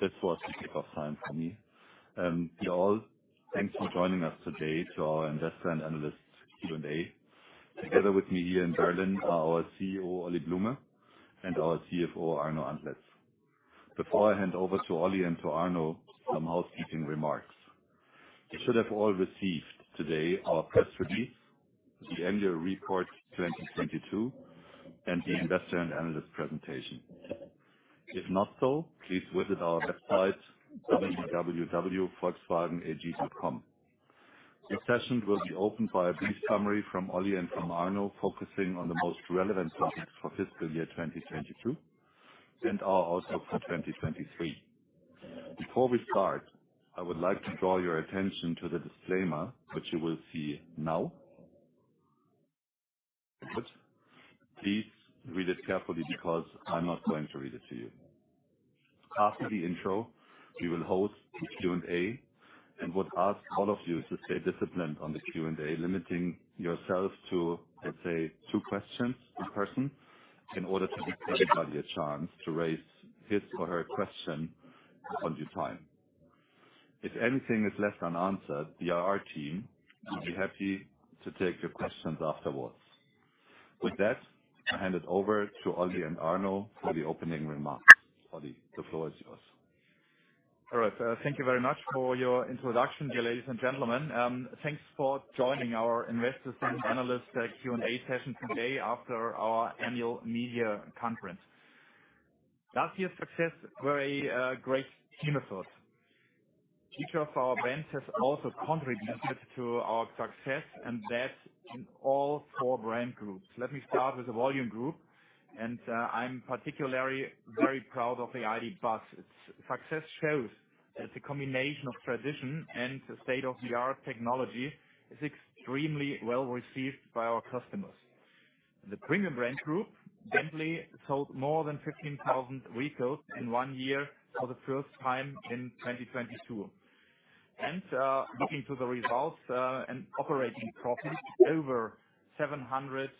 This was the kickoff time for me. Dear all, thanks for joining us today to our investor and analyst Q&A. Together with me here in Berlin are our CEO, Oliver Blume, and our CFO, Arno Antlitz. Before I hand over to Oli and to Arno, some housekeeping remarks. You should have all received today our press release, the annual report 2022, and the investor and analyst presentation. If not so, please visit our website www.volkswagenag.com. The session will be opened by a brief summary from Oli and from Arno, focusing on the most relevant topics for fiscal year 2022 and are also for 2023. Before we start, I would like to draw your attention to the disclaimer, which you will see now. Please read it carefully, because I'm not going to read it to you. After the intro, we will host Q&A and would ask all of you to stay disciplined on the Q&A, limiting yourselves to, let's say, two questions per person in order to give everybody a chance to raise his or her question on due time. If anything is left unanswered, the IR team will be happy to take your questions afterwards. With that, I hand it over to Oli and Arno for the opening remarks. Oli, the floor is yours. All right. Thank you very much for your introduction, dear ladies and gentlemen. Thanks for joining our investors and analyst Q&A session today after our annual media conference. Last year's success were a great team effort. Each of our brands has also contributed to our success, that in all four brand groups. Let me start with the Brand Group Volume, I'm particularly very proud of the ID. Buzz. Its success shows that the combination of tradition and state-of-the-art technology is extremely well received by our customers. The premium brand group gently sold more than 15,000 vehicles in one year for the first time in 2022. Looking to the results, operating profit over 700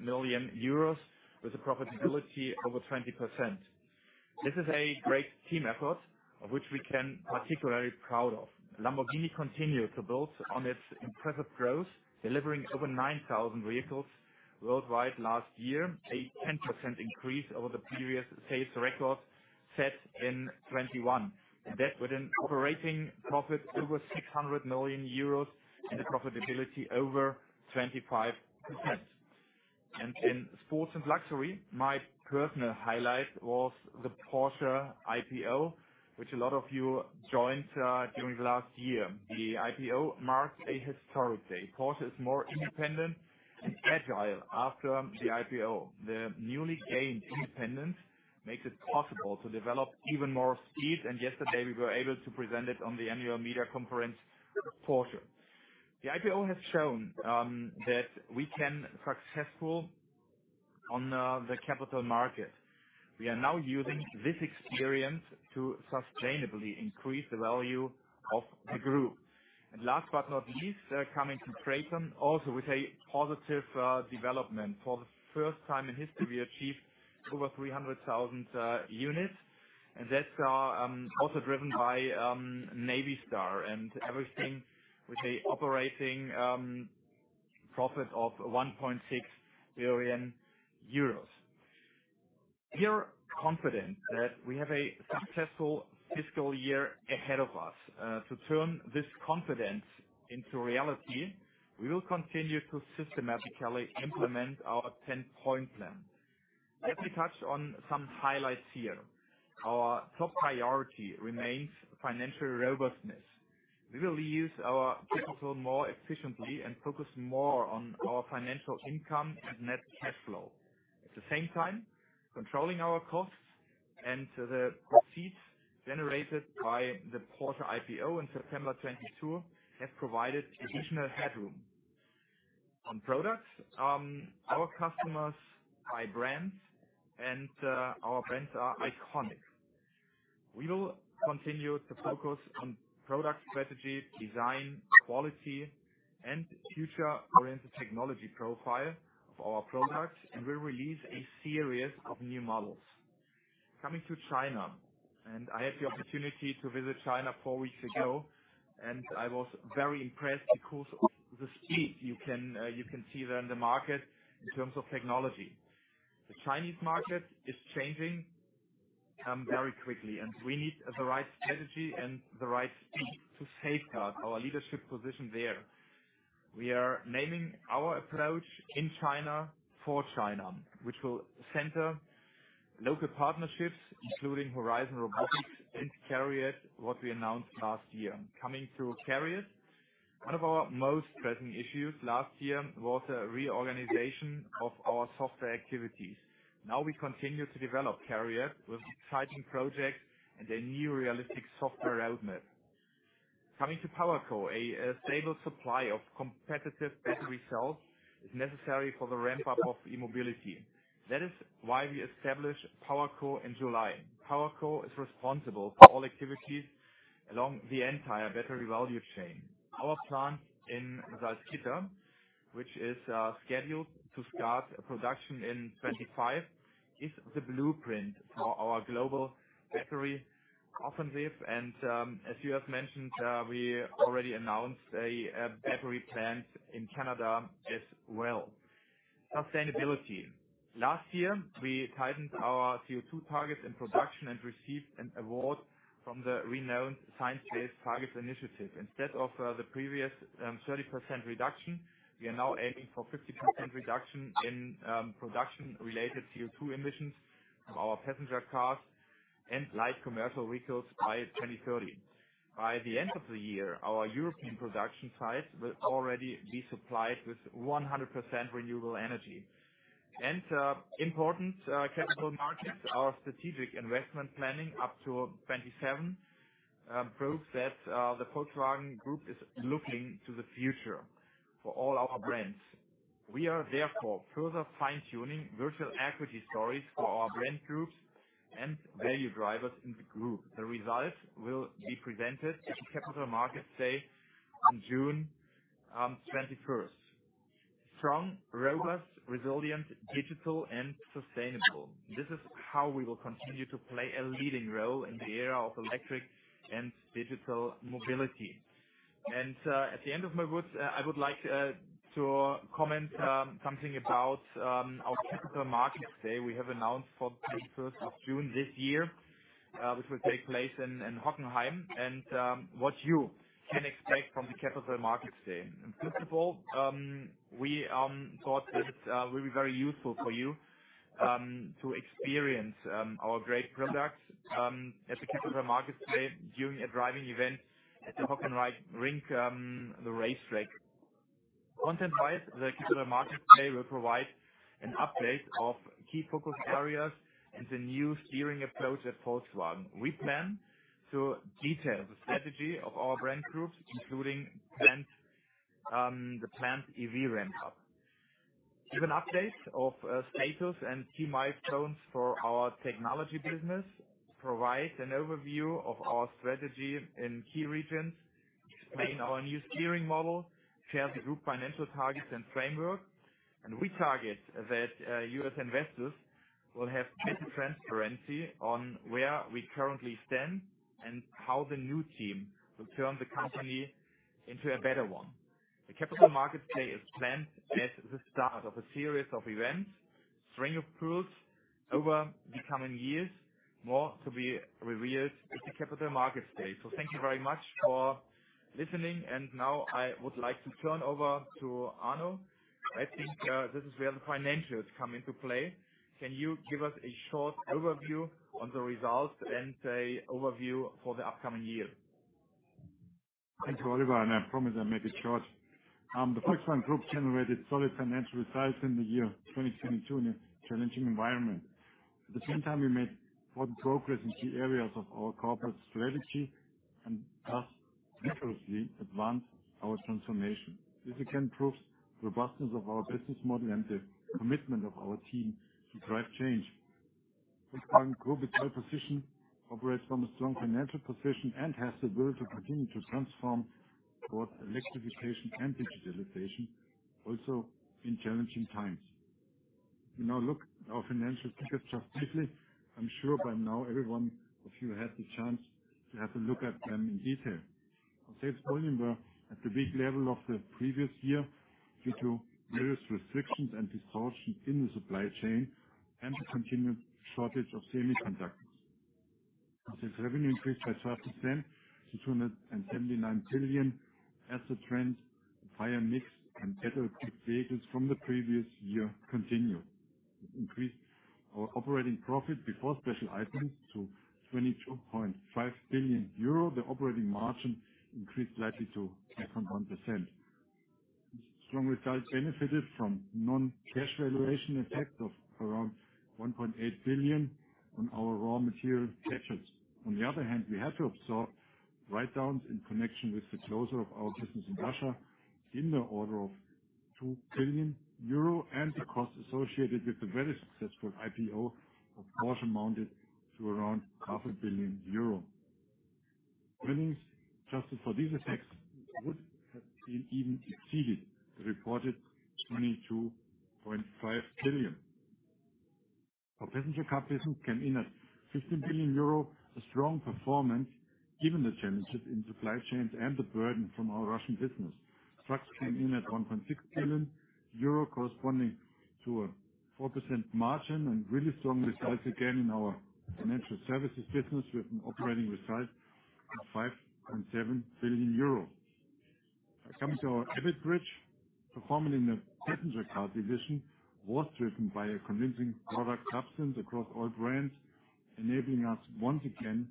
million euros with a profitability over 20%. This is a great team effort of which we can particularly proud of. Lamborghini continued to build on its impressive growth, delivering over 9,000 vehicles worldwide last year, a 10% increase over the previous sales record set in 2021. That with an operating profit over 600 million euros and a profitability over 25%. In sports and luxury, my personal highlight was the Porsche IPO, which a lot of you joined during the last year. The IPO marks a historic day. Porsche is more independent and agile after the IPO. The newly gained independence makes it possible to develop even more speed, and yesterday we were able to present it on the annual media conference portion. The IPO has shown that we can successful on the capital market. We are now using this experience to sustainably increase the value of the group. Last but not least, coming to Traton, also with a positive development. For the first time in history, we achieved over 300,000 units, also driven by Navistar and everything with a operating profit of EUR 1.6 billion. We are confident that we have a successful fiscal year ahead of us. To turn this confidence into reality, we will continue to systematically implement our 10-point plan. Let me touch on some highlights here. Our top priority remains financial robustness. We will use our capital more efficiently and focus more on our financial income and net cash flow. At the same time, controlling our costs and the proceeds generated by the Porsche IPO in September 2022 have provided additional headroom. On products, our customers buy brands, and our brands are iconic. We will continue to focus on product strategy, design, quality, and future-oriented technology profile of our products, we'll release a series of new models. Coming to China, I had the opportunity to visit China four weeks ago, and I was very impressed because of the speed you can see there in the market in terms of technology. The Chinese market is changing very quickly, we need the right strategy and the right speed to safeguard our leadership position there. We are naming our approach In China, for China, which will center local partnerships, including Horizon Robotics and CARIAD, what we announced last year. Coming to CARIAD, one of our most pressing issues last year was a reorganization of our software activities. Now we continue to develop CARIAD with exciting projects and a new realistic software roadmap. Coming to PowerCo, a stable supply of competitive battery cells is necessary for the ramp-up of e-mobility. That is why we established PowerCo in July. PowerCo is responsible for all activities along the entire battery value chain. Our plant in Salzgitter, which is scheduled to start production in 2025, is the blueprint for our global battery offensive. As you have mentioned, we already announced a battery plant in Canada as well. Sustainability. Last year, we tightened our CO₂ targets in production and received an award from the renowned Science Based Targets initiative. Instead of the previous 30% reduction, we are now aiming for 50% reduction in production-related CO₂ emissions from our passenger cars and light commercial vehicles by 2030. By the end of the year, our European production sites will already be supplied with 100% renewable energy. Important capital markets, our strategic investment planning up to 2027 proves that the Volkswagen Group is looking to the future for all our brands. We are therefore further fine-tuning virtual equity stories for our brand groups and value drivers in the group. The results will be presented at the Capital Market Day on June 21st. Strong, robust, resilient, digital and sustainable. This is how we will continue to play a leading role in the era of electric and digital mobility. At the end of my words, I would like to comment something about our Capital Market Day. We have announced for the June this year, which will take place in Hockenheim, and what you can expect from the Capital Market Day. First of all, we thought that it would be very useful for you to experience our great products at the capital markets day during a driving event at the Hockenheimring, the racetrack. Content-wise, the capital markets day will provide an update of key focus areas and the new steering approach at Volkswagen. We plan to detail the strategy of our brand groups, including plant, the plant EV ramp up. Give an update of status and key milestones for our technology business. Provide an overview of our strategy in key regions. Explain our new steering model. Share the group financial targets and framework. We target that you as investors will have better transparency on where we currently stand and how the new team will turn the company into a better one. The capital markets day is planned as the start of a series of events, string of pearls over the coming years. More to be revealed at the capital markets day. Thank you very much for listening. Now I would like to turn over to Arno. I think, this is where the financials come into play. Can you give us a short overview on the results and a overview for the upcoming year? Thank you, Oliver, and I promise I'll make it short. The Volkswagen Group generated solid financial results in the year 2022 in a challenging environment. At the same time, we made important progress in key areas of our corporate strategy and thus vigorously advanced our transformation. This again proves the robustness of our business model and the commitment of our team to drive change. Volkswagen Group operates from a strong financial position and has the will to continue to transform towards electrification and digitalization, also in challenging times. We now look at our financial figures just briefly. I'm sure by now everyone of you had the chance to have a look at them in detail. Our sales volume were at the big level of the previous year due to various restrictions and distortions in the supply chain and the continued shortage of semiconductors. Our sales revenue increased by 12% to 279 billion as the trend, higher mix and better equipped vehicles from the previous year continued. We increased our operating profit before special items to 22.5 billion euro. The operating margin increased slightly to 8.1%. Strong results benefited from non-cash valuation effect of around 1.8 billion on our raw material purchases. On the other hand, we had to absorb write-downs in connection with the closure of our business in Russia in the order of 2 billion euro and the cost associated with the very successful IPO, of course, amounted to around EUR 500 billion. Earnings, adjusted for these effects, would have been even exceeded the reported 22.5 billion. Our passenger car business came in at 15 billion euro. A strong performance given the challenges in supply chains and the burden from our Russian business. Trucks came in at 1.6 billion euro, corresponding to a 4% margin. Really strong results again in our financial services business, with an operating result of 5.7 billion euro. Coming to our EBIT bridge, performance in the passenger car division was driven by a convincing product substance across all brands, enabling us once again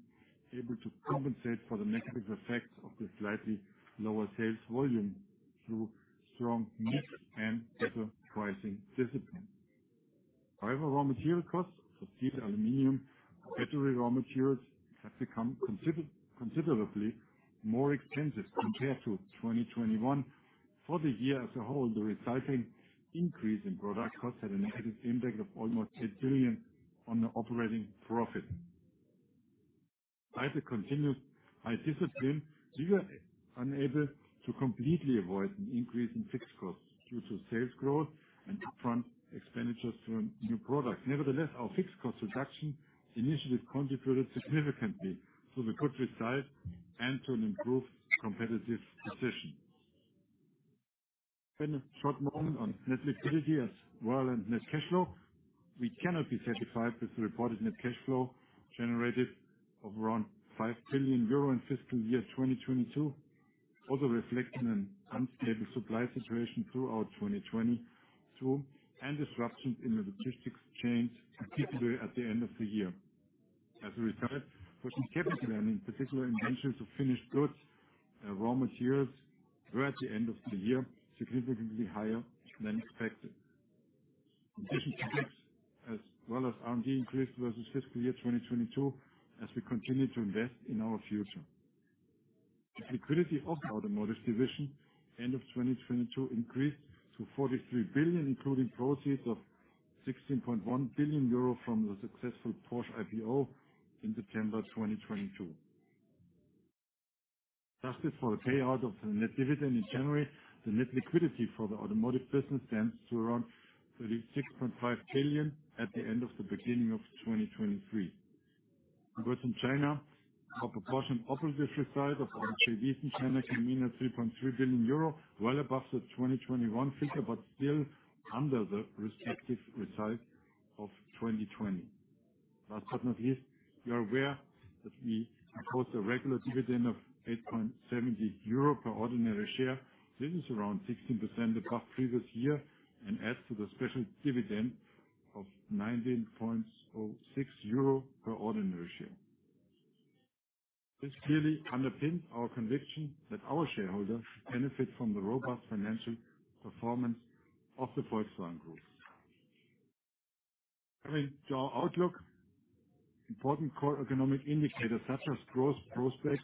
able to compensate for the negative effects of the slightly lower sales volume through strong mix and better pricing discipline. Raw material costs for steel, aluminum and battery raw materials have become considerably more expensive compared to 2021. For the year as a whole, the resulting increase in product costs had a negative impact of almost 8 billion on the operating profit. Despite the continued high discipline, we were unable to completely avoid an increase in fixed costs due to sales growth and upfront expenditures to new products. Nevertheless, our fixed cost reduction initiative contributed significantly to the good result and to an improved competitive position. A short moment on net liquidity as well and net cash flow. We cannot be satisfied with the reported net cash flow generated of around 5 billion euro in fiscal year 2022, also reflecting an unstable supply situation throughout 2022, and disruptions in the logistics chains, particularly at the end of the year. As a result, working capital, and in particular, inventory of finished goods and raw materials were, at the end of the year, significantly higher than expected. Investments in CAPEX, as well as R&D increase versus fiscal year 2022, as we continue to invest in our future. The liquidity of our automotive division, end of 2022, increased to 43 billion, including proceeds of 16.1 billion euro from the successful Porsche IPO in September 2022. Adjust this for the payout of the net dividend in January, the net liquidity for the automotive business stands to around 36.5 trillion at the end of the beginning of 2023. In Western China, our proportion of this result of our joint venture in China came in at 3.3 billion euro, well above the 2021 figure, but still under the respective result of 2020. Last but not least, you are aware that we proposed a regular dividend of 8.70 euro per ordinary share. This is around 16% above previous year and adds to the special dividend of 19.06 euro per ordinary share. This clearly underpins our conviction that our shareholders benefit from the robust financial performance of the Volkswagen Group. Coming to our outlook, important core economic indicators, such as growth prospects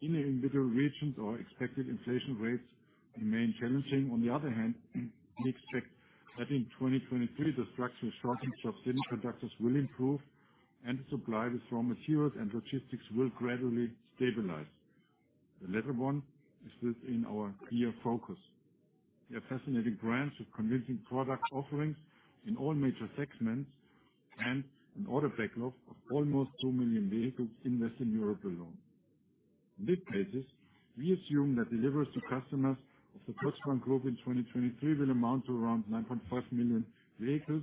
in individual regions or expected inflation rates, remain challenging. On the other hand, we expect that in 2023, the structural shortages of semiconductors will improve and the supply of raw materials and logistics will gradually stabilize. The latter one is within our clear focus. We have fascinating brands with convincing product offerings in all major segments and an order backlog of almost 2 million vehicles in Western Europe alone. On this basis, we assume that deliveries to customers of the Volkswagen Group in 2023 will amount to around 9.5 million vehicles.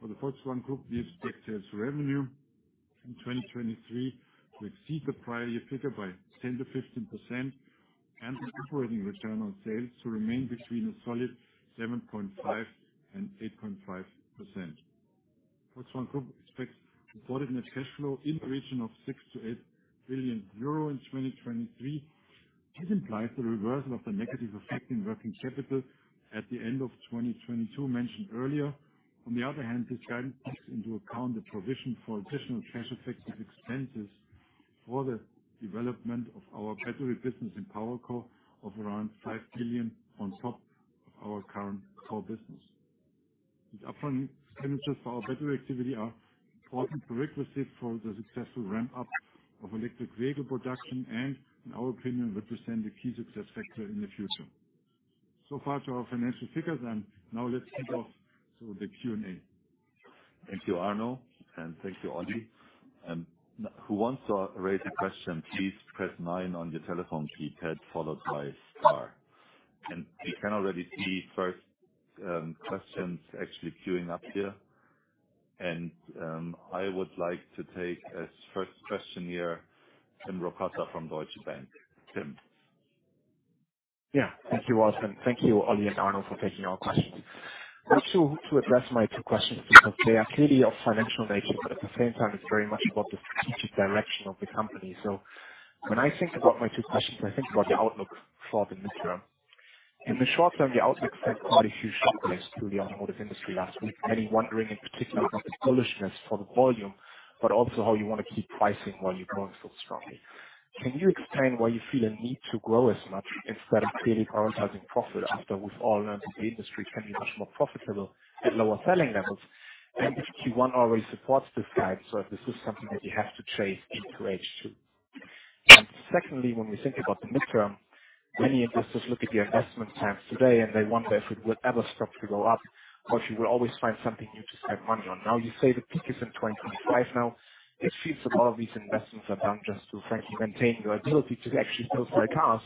For the Volkswagen Group, we expect sales revenue in 2023 to exceed the prior year figure by 10%-15% and the operating return on sales to remain between a solid 7.5% and 8.5%. Volkswagen Group expects reported net cash flow in the region of 6 billion-8 billion euro in 2023. This implies the reversal of the negative effect in working capital at the end of 2022 mentioned earlier. On the other hand, this guidance takes into account the provision for additional cash expenses for the development of our battery business in PowerCo of around 5 billion on top of our current core business. These upfront expenditures for our battery activity are important prerequisite for the successful ramp-up of electric vehicle production and, in our opinion, represent a key success factor in the future. So far to our financial figures, and now let's kick off to the Q&A. Thank you, Arno, and thank you, Oli. Who wants to raise a question, please press nine on your telephone keypad, followed by star. We can already see first questions actually queuing up here. I would like to take as first question here, Tim Rokossa from Deutsche Bank. Tim? Yeah. Thank you, also. Thank you, Oli and Arno, for taking our questions. I want to address my two questions because they are clearly of financial nature, but at the same time it's very much about the strategic direction of the company. When I think about my two questions, I think about the outlook for the midterm. In the short term, the outlook sent quite a huge shockwaves through the automotive industry last week, many wondering in particular about the bullishness for the volume, but also how you wanna keep pricing while you're growing so strongly. Can you explain why you feel a need to grow as much instead of clearly prioritizing profit after we've all learned that the industry can be much more profitable at lower selling levels? If Q1 already supports this guide, so if this is something that you have to chase into H2? Secondly, when we think about the midterm, many investors look at the investment plans today and they wonder if it will ever stop to go up or if you will always find something new to spend money on. You say the peak is in 2025. It feels that all of these investments are done just to frankly maintain your ability to actually build cars,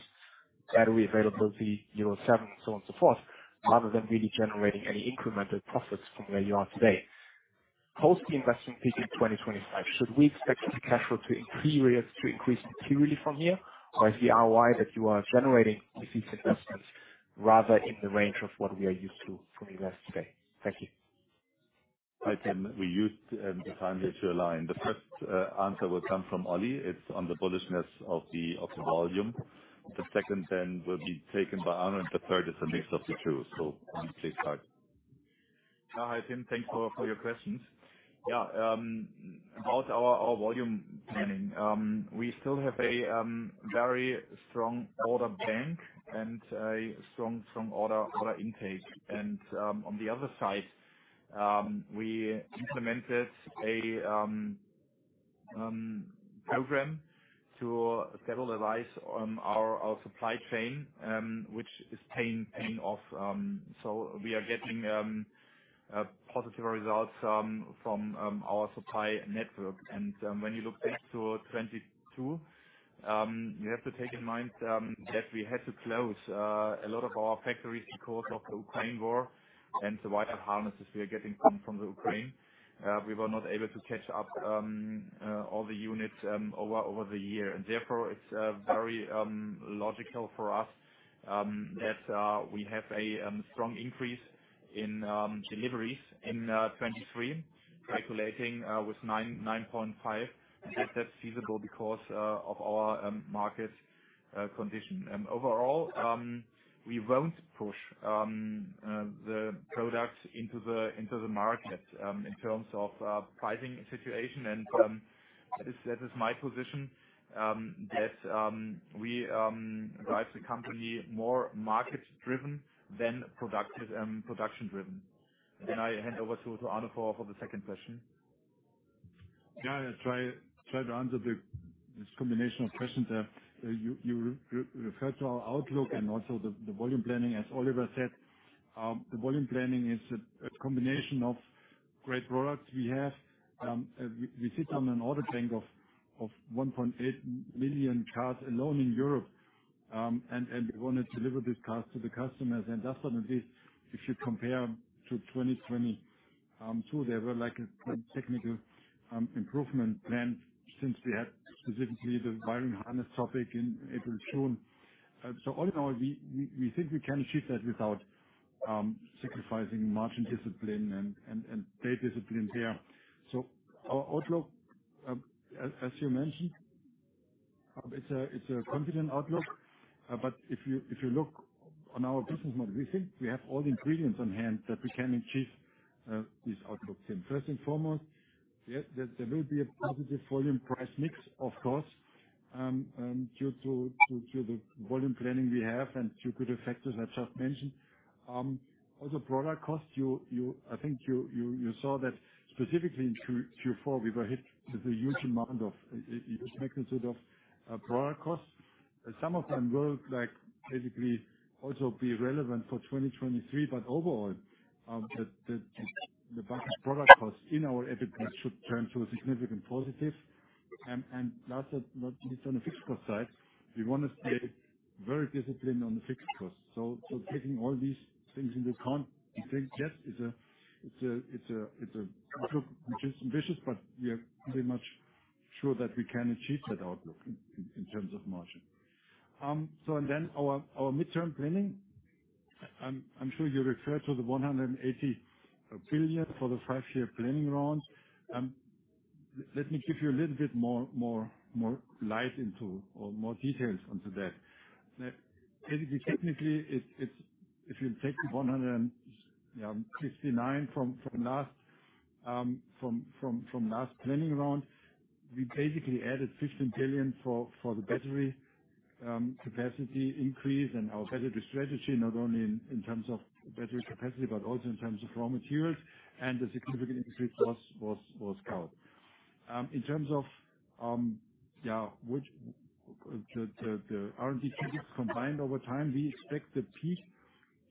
battery availability, Euro 7, and so on, so forth, rather than really generating any incremental profits from where you are today. Post the investment peak in 2025, should we expect free cash flow to increase materially from here? Is the ROI that you are generating with these investments rather in the range of what we are used to from you guys today? Thank you. Hi, Tim. We used the time here to align. The first answer will come from Oli. It's on the bullishness of the, of the volume. The second then will be taken by Arno, and the third is a mix of the two. Please start. Hi, Tim. Thanks for your questions. Yeah, about our volume planning. We still have a very strong order bank and a strong order intake. On the other side, we implemented a program to settle the rise on our supply chain, which is paying off. So we are getting positive results from our supply network. When you look back to 2022, you have to take in mind that we had to close a lot of our factories because of the Ukraine war and the wire harnesses we are getting from the Ukraine. We were not able to catch up all the units over the year. Therefore, it's very logical for us that we have a strong increase in deliveries in 23, calculating with 9.5. If that's feasible because of our market condition. Overall, we won't push the products into the market in terms of pricing situation. That is my position that we drive the company more market-driven than production-driven. I hand over to Arno for the second question. I'll try to answer this combination of questions that you referred to our outlook and also the volume planning. As Oliver said, the volume planning is a combination of great products we have. We sit on an order bank of 1.8 million cars alone in Europe, and we wanna deliver these cars to the customers. Definitely, if you compare to 2022, there were like a significant improvement plan since we had specifically the wiring harness topic in April shown. All in all, we think we can achieve that without sacrificing margin discipline and pay discipline here. Our outlook, as you mentioned, it's a confident outlook. If you look on our business model, we think we have all the ingredients on hand that we can achieve this outlook. First and foremost, yeah, there will be a positive volume price mix, of course, due to the volume planning we have and two good effects as I just mentioned. On the product cost, I think you saw that specifically in Q4, we were hit with a huge amount of huge magnitude of product costs. Some of them will, like, basically also be relevant for 2023. Overall, the back of product costs in our EBITDA should turn to a significant positive. Lastly, not least on the fixed cost side, we wanna stay very disciplined on the fixed costs. Taking all these things into I think, yes, it's a outlook which is ambitious, but we are pretty much sure that we can achieve that outlook in terms of margin. Our midterm planning. I'm sure you refer to the 180 billion for the five-year Planning Round. Let me give you a little bit more light into or more details onto that. Basically, technically, if you take 169 billion from last Planning Round, we basically added 15 billion for the battery capacity increase and our battery strategy, not only in terms of battery capacity, but also in terms of raw materials. The significant increase was cow. In terms of, yeah, which, the R&D budgets combined over time, we expect a peak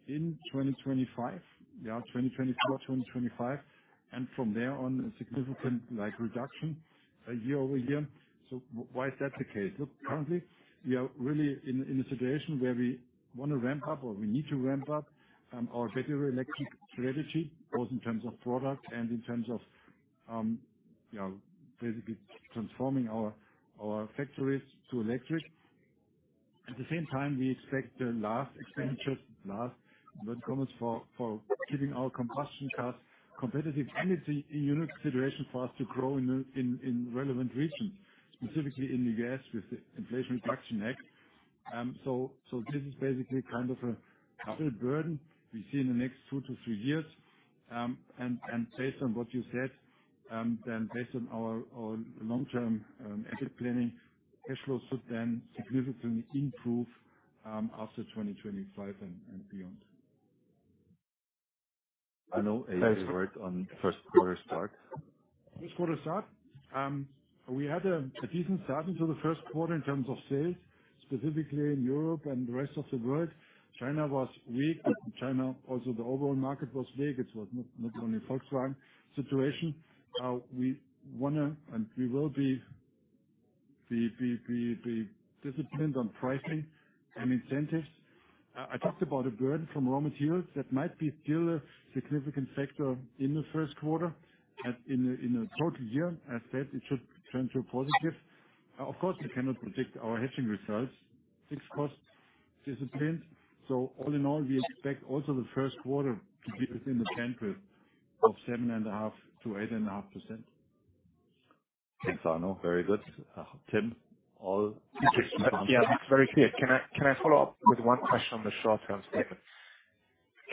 in 2025. Yeah, 2024, 2025. From there on, a significant, like, reduction year over year. Why is that the case? Look, currently, we are really in a situation where we wanna ramp up or we need to ramp up our battery electric strategy, both in terms of product and in terms of, you know, basically transforming our factories to electric. At the same time, we expect the last expenditures, last investments for keeping our combustion cars competitive. It's a unique situation for us to grow in relevant regions, specifically in the U.S. with the Inflation Reduction Act. This is basically kind of a double burden we see in the next two to three years. Based on what you said, based on our long-term asset planning, cash flows should significantly improve after 2025 and beyond. Arno, a word on first quarter start. First quarter start. We had a decent start into the first quarter in terms of sales, specifically in Europe and the rest of the world. China was weak. China, also the overall market was weak. It was not only Volkswagen situation. We wanna and we will be disciplined on pricing and incentives. I talked about a burden from raw materials that might be still a significant factor in the first quarter. In the total year, as said, it should turn to a positive. Of course, we cannot predict our hedging results. Fixed cost discipline. All in all, we expect also the first quarter to be within the bandwidth of 7.5%-8.5%. Thanks, Arno. Very good. Tim. Yeah, that's very clear. Can I follow up with one question on the short-term statement?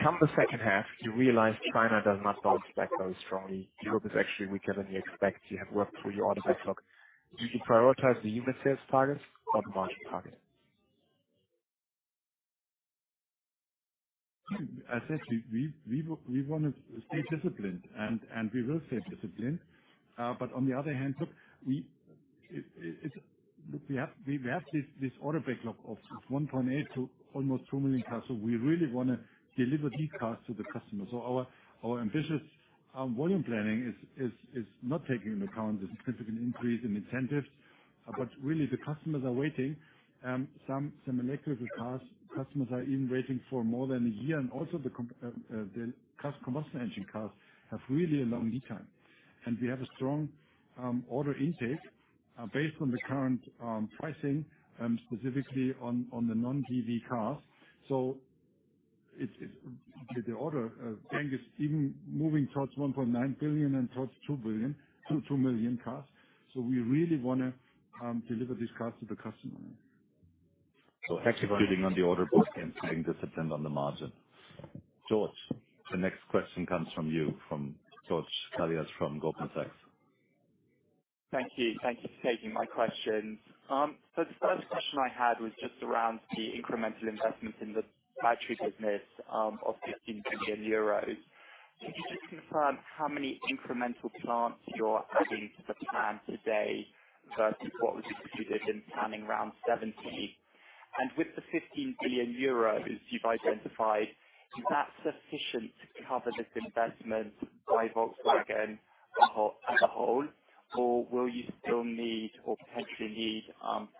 Come the second half, you realize China does not bounce back very strongly. Europe is actually weaker than you expect. You have worked through your order backlog. Do you prioritize the unit sales targets or the margin target? As said, we wanna stay disciplined, and we will stay disciplined. On the other hand, look, we have this order backlog of 1.8 million-2 million cars. We really wanna deliver these cars to the customers. Our ambitious volume planning is not taking into account the significant increase in incentives. Really, the customers are waiting. Some electrical cars, customers are even waiting for more than a year. Also the combustion engine cars have really a long lead time. We have a strong order intake based on the current pricing specifically on the non-EV cars. The order bank is even moving towards 1.9 billion and towards 2 billion, 2 million cars. We really wanna deliver these cars to the customer. Executing on the order book and taking the September on the margin. George, the next question comes from you, from George Galliers from Goldman Sachs. Thank you. Thank you for taking my questions. The first question I had was just around the incremental investments in the battery business, of 15 billion euros. Can you just confirm how many incremental plants you're adding to the plan today versus what was included in Planning Round 70? With the 15 billion euros you've identified, is that sufficient to cover this investment by Volkswagen as a whole? Will you still need or potentially need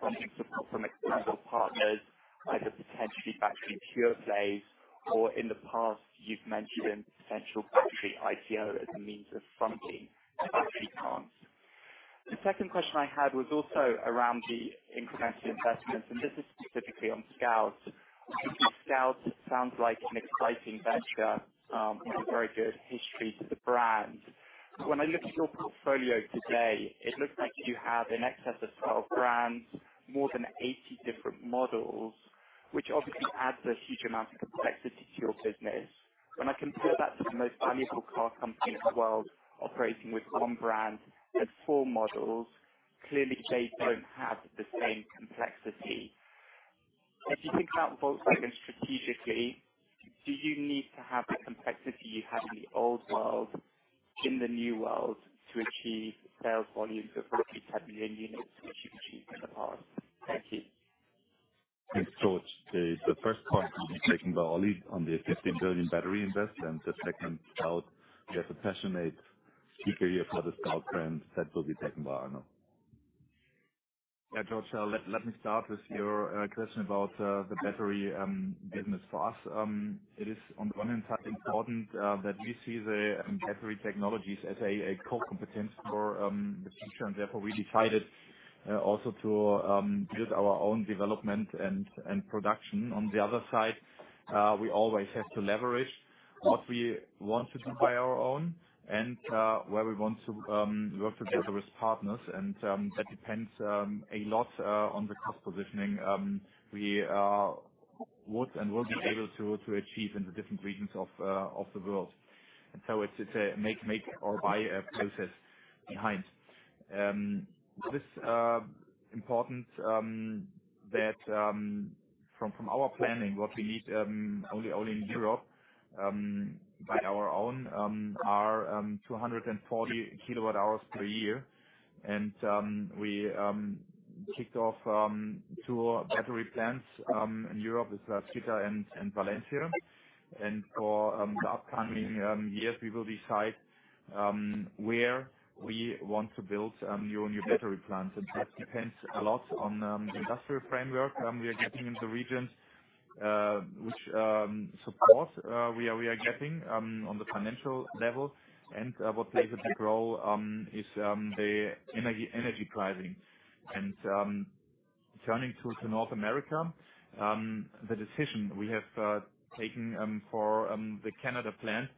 funding support from external partners, either potentially battery pure plays or in the past you've mentioned potential battery IPO as a means of funding the battery plants. The second question I had was also around the incremental investments, and this is specifically on Scout. Scout sounds like an exciting venture, with a very good history to the brand. When I look at your portfolio today, it looks like you have in excess of 12 brands, more than 80 different models, which obviously adds a huge amount of complexity to your business. When I compare that to the most valuable car company in the world, operating with one brand and four models, clearly they don't have the same complexity. As you think about Volkswagen strategically, do you need to have the complexity you have in the old world, in the new world, to achieve sales volumes of 40 million units, which you've achieved in the past? Thank you. Thanks, George. The first point will be taken by Oli on the 15 billion battery invest. The second, Scout, we have a passionate speaker here for the Scout brand. That will be taken by Arno. Yeah, George, let me start with your question about the battery business for us. It is on the one hand side important that we see the battery technologies as a core competence for the future. Therefore, we decided also to build our own development and production. On the other side, we always have to leverage what we want to do by our own and where we want to work together with partners. That depends a lot on the cost positioning we would and will be able to achieve in the different regions of the world. So it's a make or buy process behind. This important that from our planning, what we need only in Europe by our own are 240 kWh per year. We kicked off 2 battery plants in Europe. It's Salzgitter and Valencia. For the upcoming years, we will decide where we want to build new battery plants. That depends a lot on the industrial framework we are getting in the regions, which support we are getting on the financial level. What plays a big role is the energy pricing. Turning to North America, the decision we have taken for the Canada plant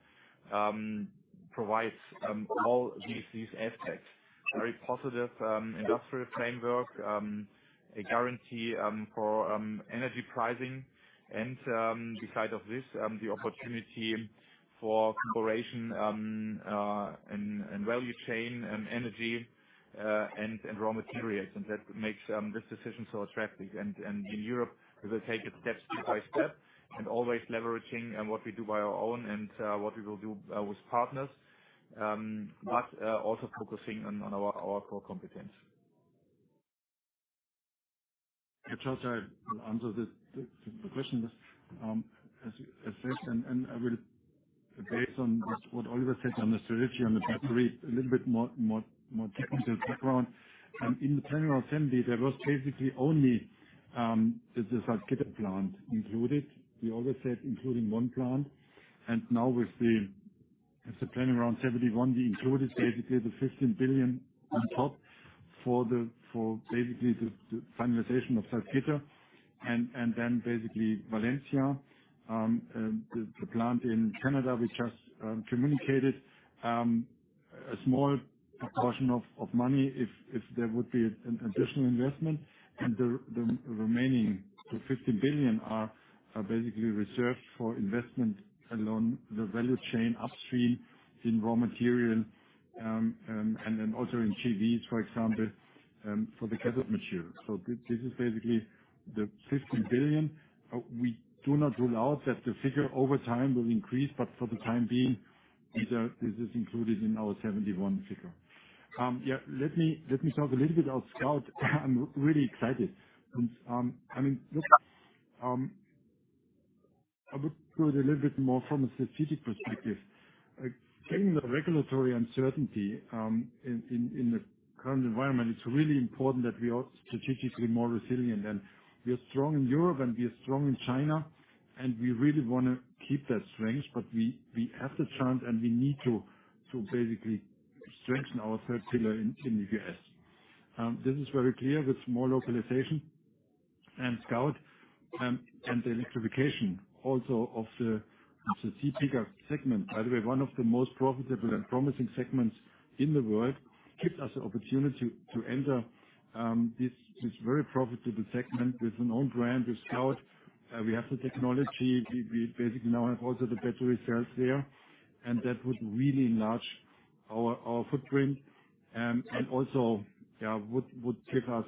provides all these aspects. Very positive industrial framework, a guarantee for energy pricing, and beside of this, the opportunity for cooperation in value chain and energy, and raw materials. That makes this decision so attractive. In Europe, we will take it step by step and always leveraging on what we do by our own and what we will do with partners, but also focusing on our core competence. Yeah, George, I answer the question. As said and I will base on what Oliver Blume said on the strategy on the battery, a little bit more technical background. In the Planning Round 70, there was basically only the Salzgitter plant included. We always said including one plant. Now with the Planning Round 71, we included basically the 15 billion on top for basically the finalization of Salzgitter. Then basically Valencia, the plant in Canada we just communicated a small proportion of money if there would be an additional investment. The remaining 50 billion are basically reserved for investment along the value chain upstream in raw material and then also in EVs, for example, for the cathode material. This is basically the EURO 50 billion. We do not rule out that the figure over time will increase, but for the time being, this is included in our 71 figure. Let me talk a little bit about Scout. I'm really excited. I would put a little bit more from a strategic perspective. Given the regulatory uncertainty in the current environment, it's really important that we are strategically more resilient, we are strong in Europe, we are strong in China, we really wanna keep that strength. We have the chance and we need to basically strengthen our third pillar in the U.S. This is very clear with more localization and Scout and the electrification also of the C pickup segment. By the way, one of the most profitable and promising segments in the world, gives us the opportunity to enter this very profitable segment with an own brand, with Scout. We have the technology. We basically now have also the battery cells there, and that would really enlarge our footprint. Also, yeah, would give us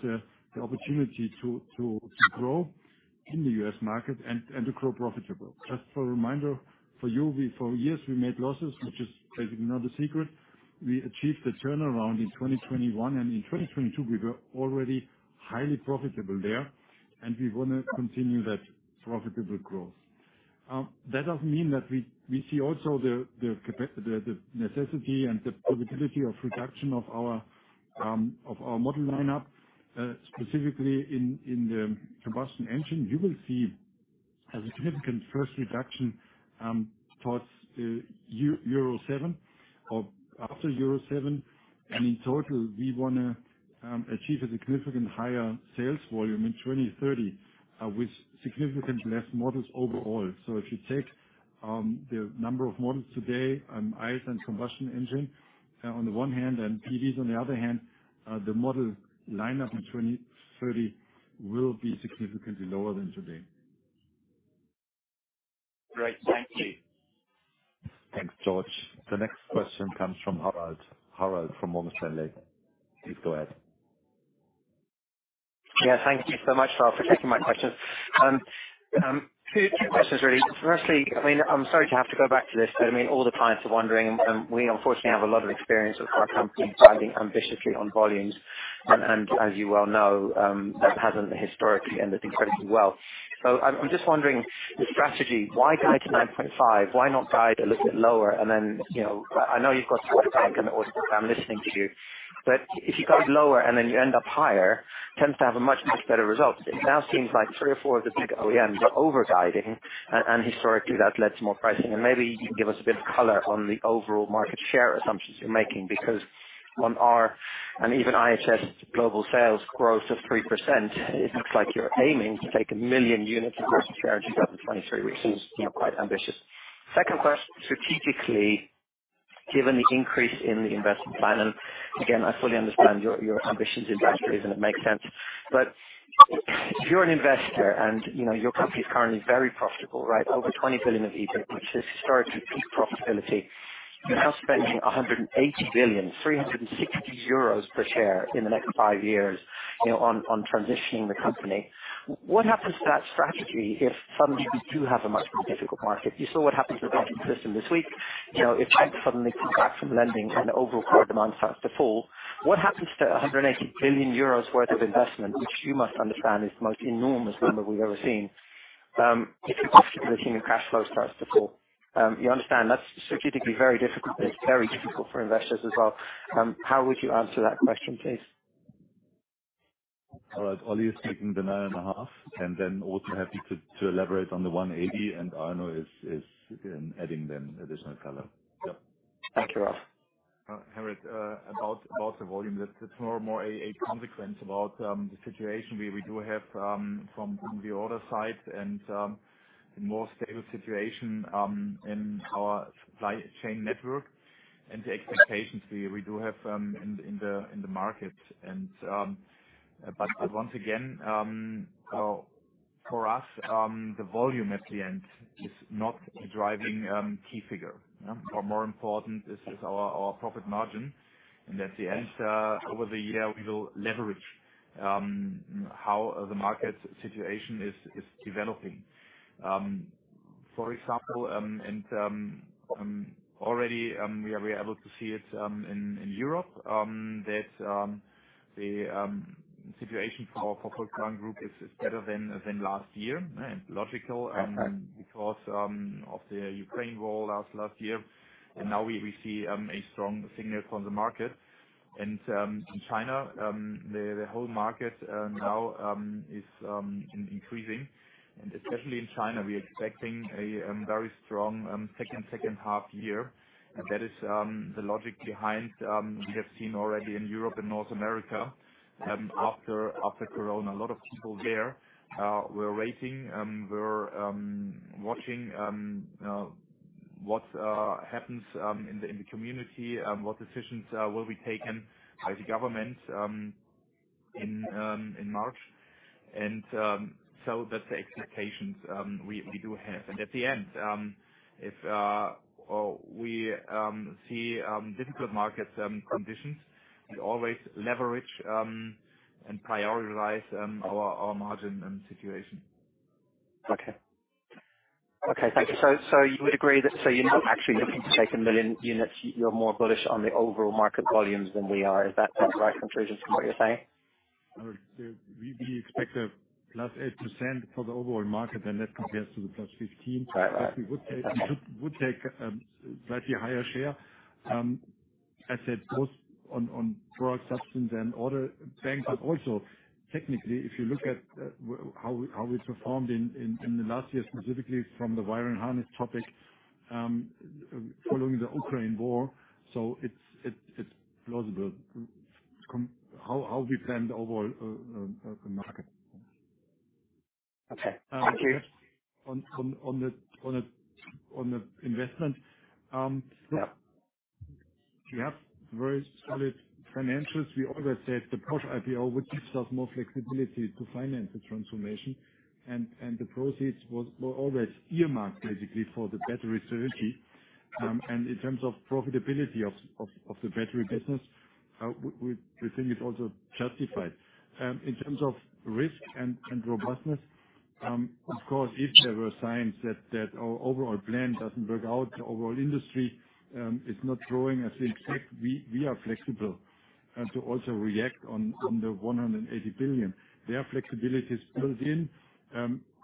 the opportunity to grow in the U.S. market and to grow profitable. Just for a reminder, for years we made losses, which is basically not a secret. We achieved the turnaround in 2021, and in 2022 we were already highly profitable there, and we wanna continue that profitable growth. That doesn't mean that we see also the necessity and the profitability of reduction of our model lineup, specifically in the combustion engine. You will see a significant first reduction towards Euro 7 or after Euro 7. In total, we wanna achieve a significant higher sales volume in 2030 with significantly less models overall. If you take the number of models today, ICE and combustion engine on the one hand, and EVs on the other hand, the model lineup in 2030 will be significantly lower than today. Great. Thank you. Thanks, George. The next question comes from Harald. Harald from Morgan Stanley. Please go ahead. Yeah. Thank you so much for taking my questions. Two questions really. Firstly, I mean, I'm sorry to have to go back to this, but, I mean, all the clients are wondering. We unfortunately have a lot of experience with car companies guiding ambitiously on volumes. As you well know, that hasn't historically ended incredibly well. I'm just wondering the strategy, why guide to 9.5? Why not guide a little bit lower? You know, I know you've got to push back, and obviously I'm listening to you. If you guide lower and then you end up higher, tends to have a much, much better result. It now seems like three or four of the big OEMs are over-guiding, and historically that led to more pricing. Maybe you can give us a bit of color on the overall market share assumptions you're making, because on our, and even S&P Global sales growth of 3%, it looks like you're aiming to take 1 million units of market share in 2023, which is, you know, quite ambitious. Second question, strategically, given the increase in the investment plan, and again, I fully understand your ambitions industrially, and it makes sense. If you're an investor and, you know, your company is currently very profitable, right? Over 20 billion of EBIT, which is historically peak profitability. You're now spending 180 billion, 360 euros per share in the next 5 years, you know, on transitioning the company. What happens to that strategy if suddenly we do have a much more difficult market? You saw what happened to the banking system this week. You know, if banks suddenly contract from lending and overall car demand starts to fall, what happens to 180 billion euros worth of investment, which you must understand is the most enormous number we've ever seen, if your cash flow starts to fall? You understand that's strategically very difficult, but it's very difficult for investors as well. How would you answer that question, please? All right. Oli is taking the 9.5, and then also happy to elaborate on the 180, and Arno is adding then additional color. Yeah. Thank you, Ralf. Harald, about the volume, that's more a consequence about the situation we do have from the order side and the more stable situation in our supply chain network and the expectations we do have in the market. But once again, for us, the volume at the end is not a driving key figure. Yeah. More important is our profit margin. At the end, over the year, we will leverage how the market situation is developing. For example, already we are able to see it in Europe that the situation for our Volkswagen Group is better than last year. Logical, because of the Ukraine war last year. Now we see a strong signal from the market. In China, the whole market now is increasing. Especially in China, we are expecting a very strong second half year. That is the logic behind. We have seen already in Europe and North America, after Corona, a lot of people there were waiting, were watching what happens in the community, what decisions will be taken by the government in March. That's the expectations we do have. At the end, if we see difficult market conditions, we always leverage and prioritize our margin and situation. Okay. Okay, thank you. You would agree that you're not actually looking to take 1 million units. You're more bullish on the overall market volumes than we are. Is that the right conclusion from what you're saying? I would say we expect a +8% for the overall market. That compares to the +15%. Right. Right. we would take slightly higher share. I said both on product substance and order bank. Also technically, if you look at how we performed in the last year, specifically from the wire and harness topic, following the Ukraine War. it's plausible how we plan the overall market. Okay. Thank you. On the investment. Yeah. We have very solid financials. We always said the post-IPO would give us more flexibility to finance the transformation. The proceeds was, were always earmarked basically for the battery strategy. In terms of profitability of the battery business, we think it also justified. In terms of risk and robustness, of course, if there were signs that our overall plan doesn't work out, the overall industry, is not growing as in tech, we are flexible, to also react on the 180 billion. There are flexibilities built in.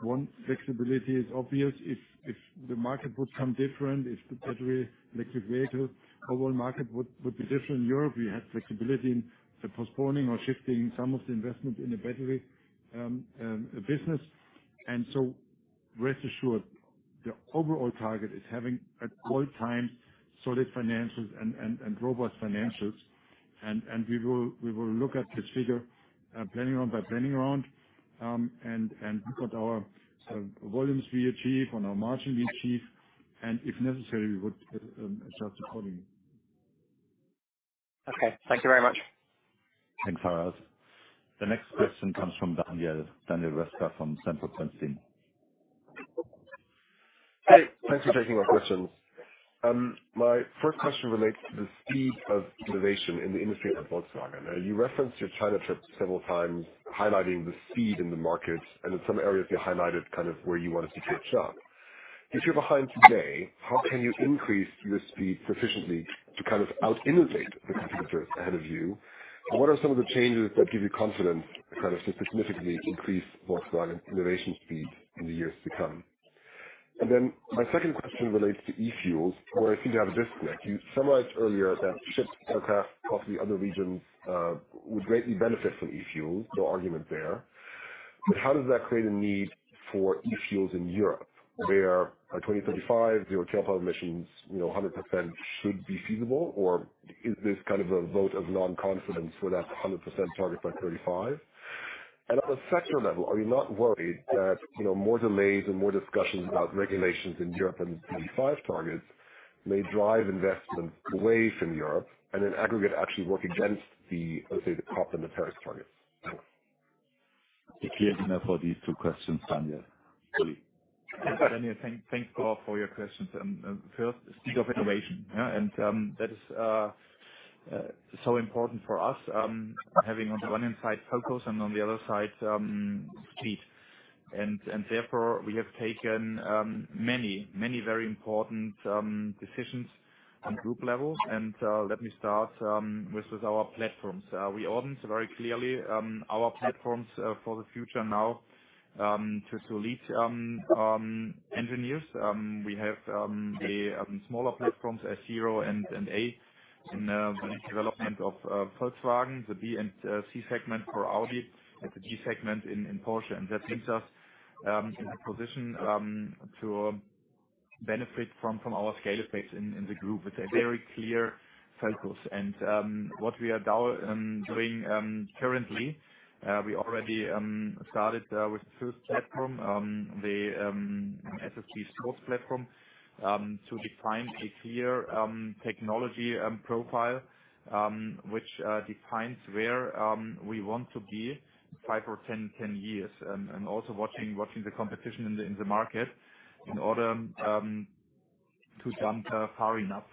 One flexibility is obvious. If the market would come different, if the battery electric vehicle overall market would be different in Europe, we have flexibility in the postponing or shifting some of the investment in the battery, business. Rest assured, the overall target is having at all times solid finances and robust financials. We will look at this figure, Planning Round by Planning Round, and look at our volumes we achieve and our margin we achieve, and if necessary, we would adjust accordingly. Okay. Thank you very much. Thanks, Harold. The next question comes from Daniel Röska from Sanford C. Bernstein. Hey, thanks for taking my questions. My first question relates to the speed of innovation in the industry at Volkswagen. You referenced your China trip several times, highlighting the speed in the market, and in some areas you highlighted kind of where you wanted to catch up. If you're behind today, how can you increase your speed sufficiently to kind of out-innovate the competitors ahead of you? What are some of the changes that give you confidence kind of to significantly increase Volkswagen innovation speed in the years to come? My second question relates to e-fuels, where I see we have a disconnect. You summarized earlier that ships, aircraft across the other regions would greatly benefit from e-fuels. No argument there. How does that create a need for e-fuels in Europe where by 2035 your tailpipe emissions, you know, 100% should be feasible? Or is this kind of a vote of non-confidence for that 100% target by 2035? At the sector level, are you not worried that, you know, more delays and more discussions about regulations in Europe and the 2025 targets may drive investment away from Europe and in aggregate, actually work against the, let's say, the cop on the Paris Agreement? Thank you. If you have enough for these two questions, Daniel. Oli. Daniel, thanks for your questions. First, speed of innovation. Yeah, that is so important for us, having on the one hand side focus and on the other side, speed. Therefore, we have taken many very important decisions on group levels. Let me start with our platforms. We ordered very clearly our platforms for the future now to lead engineers. We have a smaller platforms, A0 and A in the development of Volkswagen, the B and C segment for Audi, and the G segment in Porsche. That leaves us in a position to benefit from our scale effects in the group with a very clear focus. What we are now doing currently, we already started with the first platform, the SSP sports platform, to define a clear technology profile, which defines where we want to be 5 or 10 years. Also watching the competition in the market in order to jump far enough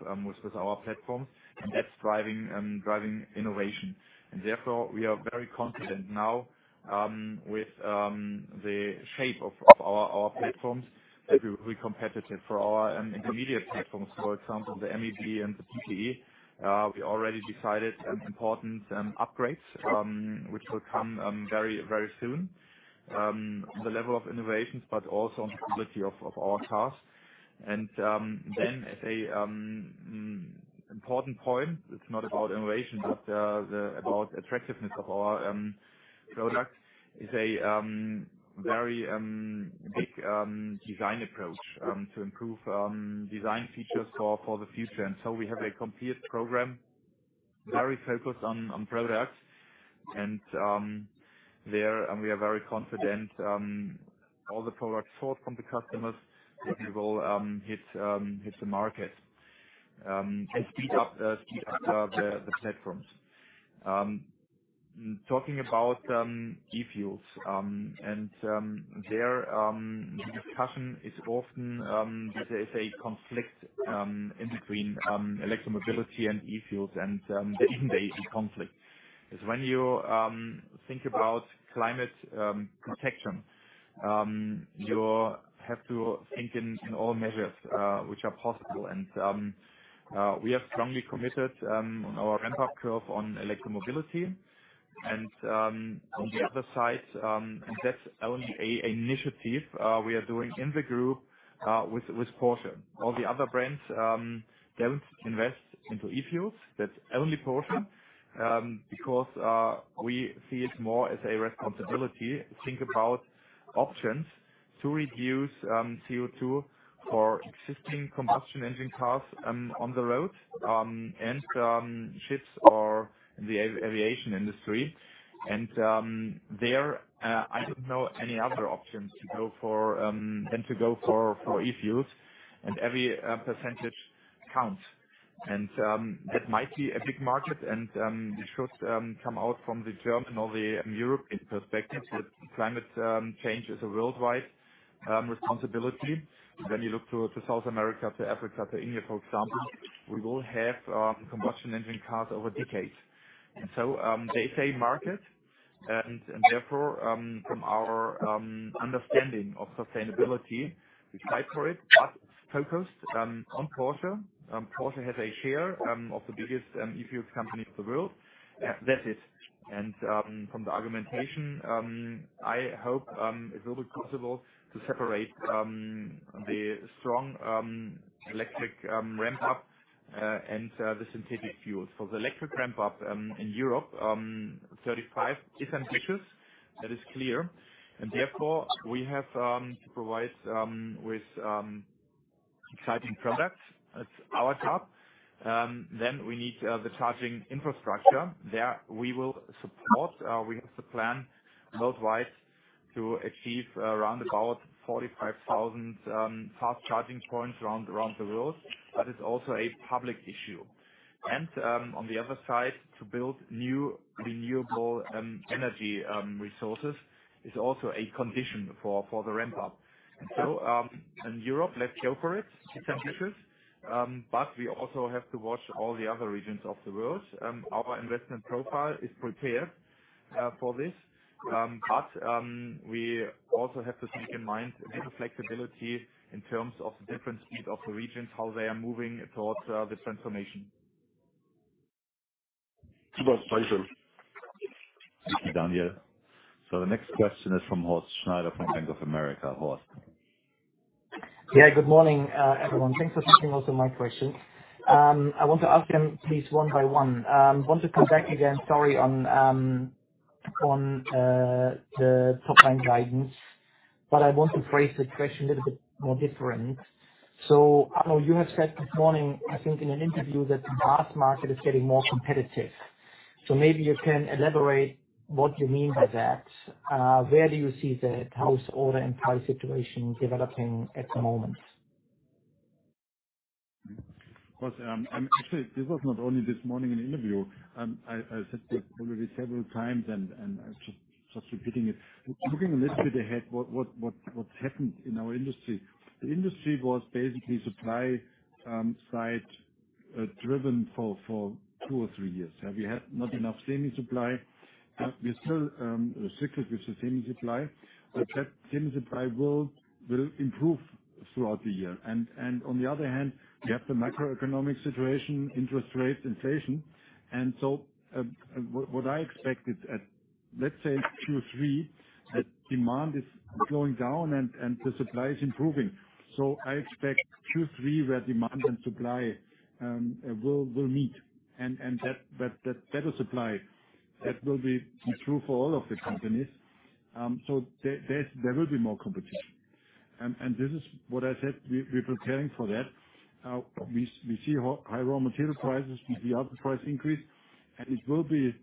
with our platforms. That's driving innovation. Therefore, we are very confident now with the shape of our platforms that we're competitive. For our intermediate platforms, for example, the MEB and the PPE, we already decided important upgrades which will come very, very soon on the level of innovations, but also on the quality of our cars. As a important point, it's not about innovation, but about attractiveness of our product is a very big design approach to improve design features for the future. We have a complete program, very focused on product and there, and we are very confident, all the products sold from the customers, that we will hit the market and speed up the platforms. Talking about e-fuels, and there the discussion is often that there's a conflict in between electro mobility and e-fuels and there isn't a conflict. 'Cause when you think about climate protection, you have to think in all measures which are possible. We are strongly committed on our ramp up curve on electro mobility. On the other side, and that's only a initiative we are doing in the group with Porsche. All the other brands don't invest into e-fuels. That's only Porsche. Because we see it more as a responsibility to think about options to reduce CO2 for existing combustion engine cars on the road and ships or the aviation industry. There I don't know any other options to go for than to go for e-fuels and every percentage counts. That might be a big market and it should come out from the German or the European perspective that climate change is a worldwide responsibility. When you look to South America, to Africa, to India, for example, we will have combustion engine cars over decades. They say market and therefore from our understanding of sustainability, we fight for it, but focused on Porsche. Porsche has a share of the biggest e-fuel company in the world. That is. From the argumentation, I hope it will be possible to separate the strong electric ramp up and the synthetic fuels. For the electric ramp up in Europe, 35 is ambitious. That is clear. Therefore we have to provide with exciting products. That's our job. Then we need the charging infrastructure. There we will support. We have the plan worldwide to achieve around about 45,000 fast charging points around the world. That is also a public issue. On the other side, to build new renewable energy resources is also a condition for the ramp up. In Europe, let's go for it. It's ambitious. But we also have to watch all the other regions of the world. Our investment profile is prepared for this. We also have to keep in mind the flexibility in terms of the different speed of the regions, how they are moving towards this transformation. Super. Thank you. Thank you, Daniel. The next question is from Horst Schneider from Bank of America. Horst. Good morning, everyone. Thanks for taking also my question. I want to ask them please one by one. Want to come back again, sorry, on the top line guidance. I want to phrase the question a little bit more different. Arno, you have said this morning, I think, in an interview that the parts market is getting more competitive. Maybe you can elaborate what you mean by that. Where do you see the household and price situation developing at the moment? Of course. Actually, this was not only this morning in interview. I said that already several times and just repeating it. Looking a little bit ahead, what's happened in our industry. The industry was basically supply side driven for two or three years. Have you had not enough semi supply. We are still restricted with the semi supply, but that semi supply will improve throughout the year. On the other hand, you have the macroeconomic situation, interest rates, inflation. What I expected at, let's say Q3, that demand is going down and the supply is improving. So I expect Q3, where demand and supply will meet and that better supply, that will be true for all of the companies. There will be more competition. This is what I said, we're preparing for that. We see high raw material prices, we see other price increase, and it will be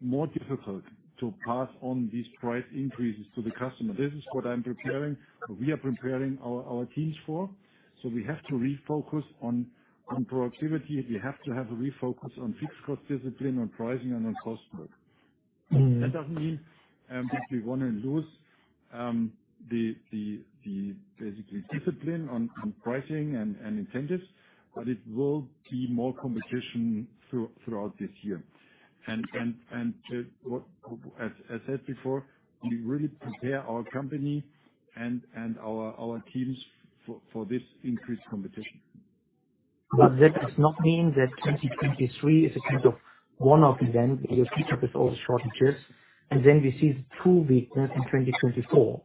more difficult to pass on these price increases to the customer. This is what I'm preparing, we are preparing our teams for. We have to refocus on productivity. We have to have a refocus on fixed cost discipline, on pricing and on cost work. Mm. That doesn't mean that we wanna lose the basically discipline on pricing and incentives, it will be more competition throughout this year. As I said before, we really prepare our company and our teams for this increased competition. That does not mean that 2023 is a kind of one-off event. You catch up with all the shortages, and then we see two big events in 2024.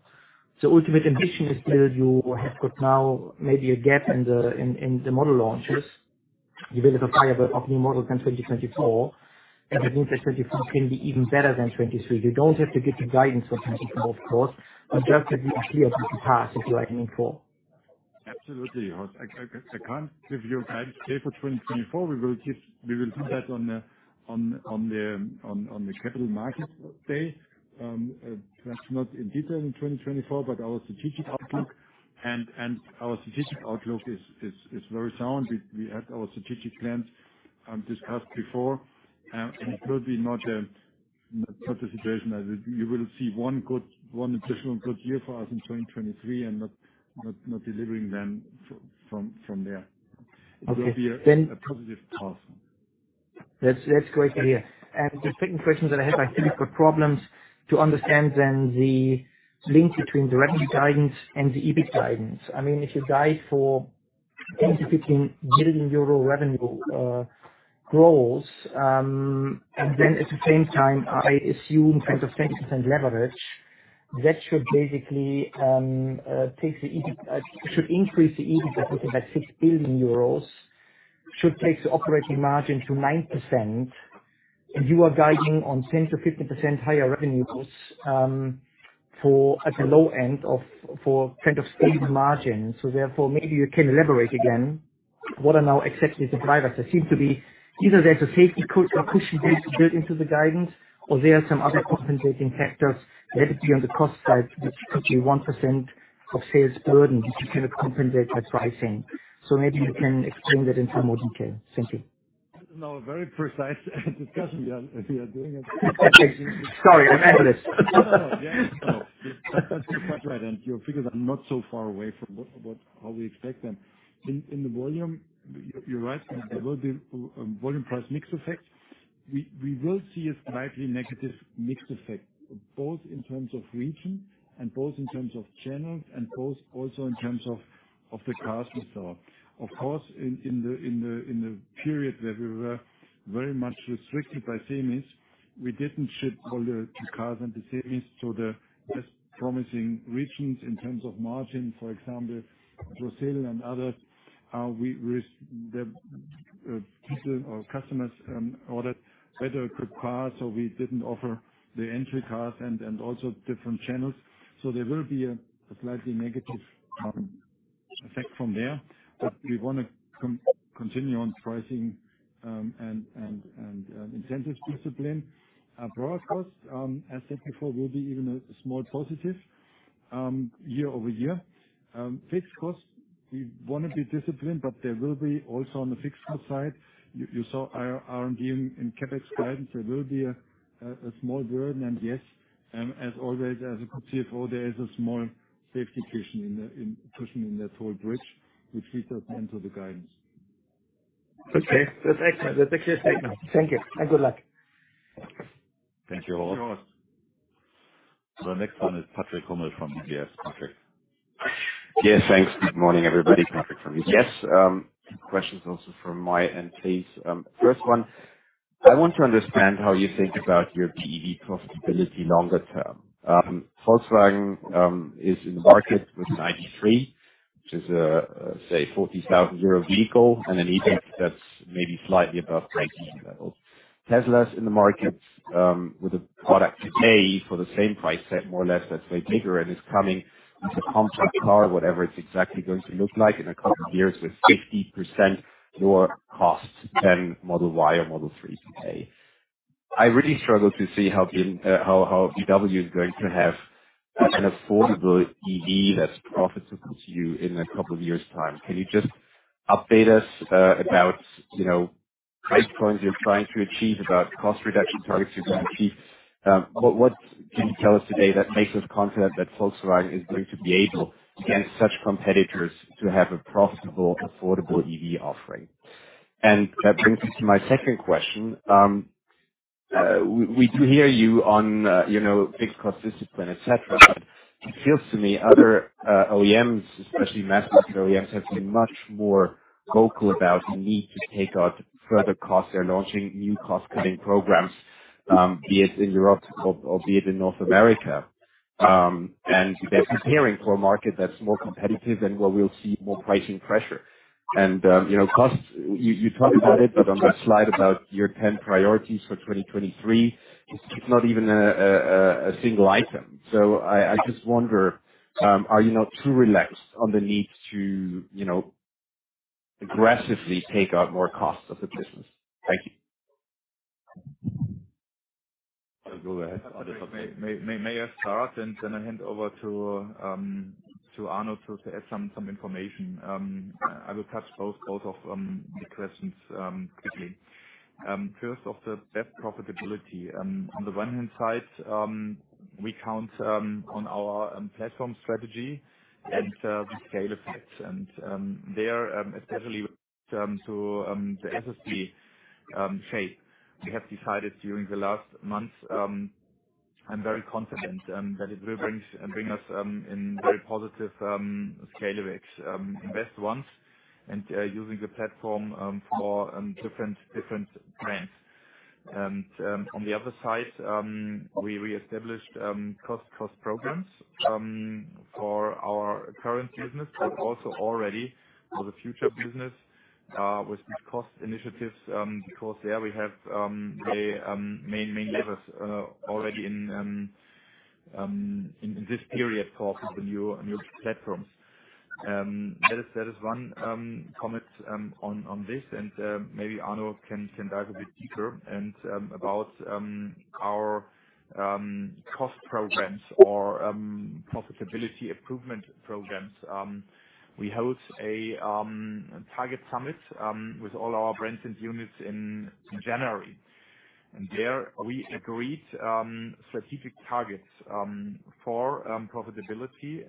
The ultimate ambition is still you have got now maybe a gap in the, in the model launches. You will have a firework of new models in 2024, and that means that 2024 can be even better than 2023. We don't have to give the guidance for 2024, of course, but just that we are clear with the path that we are heading for. Absolutely, Horst. I can't give you guidance today for 2024. We will do that on the Capital Market Day. Perhaps not in detail in 2024, but our strategic outlook and our strategic outlook is very sound. We had our strategic plans discussed before. It will be not such a situation that you will see one good, one additional good year for us in 2023 and not delivering then from there. Okay. It will be a positive path. That's great to hear. The second question that I have, I still got problems to understand then the link between the revenue guidance and the EBIT guidance. I mean, if you guide for 10 billion-15 billion euro revenue growth, and then at the same time, I assume kind of 10% leverage, that should basically increase the EBIT by 6 billion euros, should take the operating margin to 9%, and you are guiding on 10%-15% higher revenues for at the low end of, for kind of stable margin. Therefore, maybe you can elaborate again, what are now exactly the drivers? There seem to be either there's a safety cushion built into the guidance or there are some other compensating factors, maybe on the cost side, that could be 1% of sales burden, which you cannot compensate by pricing. Maybe you can explain that in some more detail. Thank you. A very precise discussion we are doing. Sorry, I'm analyst. No, no. That's quite right. Your figures are not so far away from what, how we expect them. In the volume, you're right. There will be a volume price mix effect. We will see a slightly negative mix effect, both in terms of region and both in terms of channels and both also in terms of the cars we sell. Of course, in the period where we were very much restricted by semis, we didn't ship all the cars into semis, so the less promising regions in terms of margin, for example, Brazil and others, we res-the people or customers ordered better good cars, so we didn't offer the entry cars and also different channels. There will be a slightly negative effect from there. We want to continue on pricing, and incentives discipline. Raw costs, as said before, will be even a small positive year-over-year. Fixed costs, we wanna be disciplined, but there will be also on the fixed cost side, you saw our R&D and CapEx guidance, there will be a small burden. Yes, as always, as you could see it all, there is a small safety cushion in the cushion in that whole bridge, which feeds us into the guidance. Okay. That's excellent. That's a clear statement. Thank you and good luck. Thank you. Thank you, Horst. The next one is Patrick Hummel from UBS. Patrick? Yes, thanks. Good morning, everybody. Patrick from UBS. Two questions also from my end, please. First one, I want to understand how you think about your BEV profitability longer term. Volkswagen is in the market with an ID.3, which is, say 40,000 euro vehicle and an EBIT that's maybe slightly above 18 level. Tesla's in the market with a product today for the same price set, more or less, that's way bigger and is coming with a compact car, whatever it's exactly going to look like, in a couple of years with 50% lower costs than Model Y or Model 3 today. I really struggle to see how VW is going to have an affordable EV that's profitable to you in a couple of years' time. Can you just update us, you know, about price points you're trying to achieve, about cost reduction targets you're going to achieve? What can you tell us today that makes us confident that Volkswagen is going to be able, against such competitors, to have a profitable, affordable EV offering? That brings me to my second question. We do hear you on, you know, fixed cost discipline, et cetera. It feels to me other OEMs, especially mass market OEMs, have been much more vocal about the need to take out further costs. They're launching new cost-cutting programs, be it in Europe or be it in North America. They're preparing for a market that's more competitive and where we'll see more pricing pressure. You know, costs, you talked about it, but on that slide about your 10 priorities for 2023, it's not even a single item. I just wonder, are you not too relaxed on the need to, you know, aggressively take out more costs of the business? Thank you. Go ahead. May I start and then I hand over to Arno to add some information? I will touch both of the questions quickly. First off, the BEV profitability. On the one hand side, we count on our platform strategy and the scale effects. There, especially to the SSP phase. We have decided during the last months. I'm very confident that it will bring us in very positive scale effects, invest once and using the platform for different brands. On the other side, we reestablished cost programs for our current business, but also already for the future business with these cost initiatives, because there we have a main levers already in this period for the new platforms. That is one comment on this, maybe Arno can dive a bit deeper about our cost programs or profitability improvement programs. We host a target summit with all our brands and units in January. There we agreed strategic targets for profitability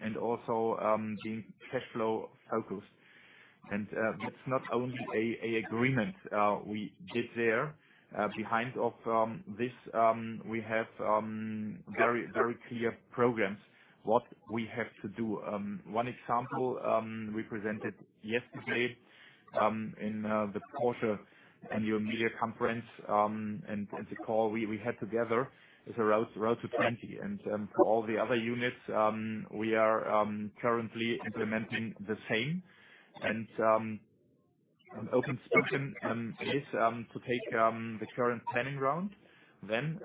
and also being cash flow focused. That's not only an agreement we did there. Behind of this, we have very, very clear programs, what we have to do. One example we presented yesterday in the Porsche annual media conference and the call we had together is a Road to 6.5. For all the other units, we are currently implementing the same. An open question is to take the current Planning Round then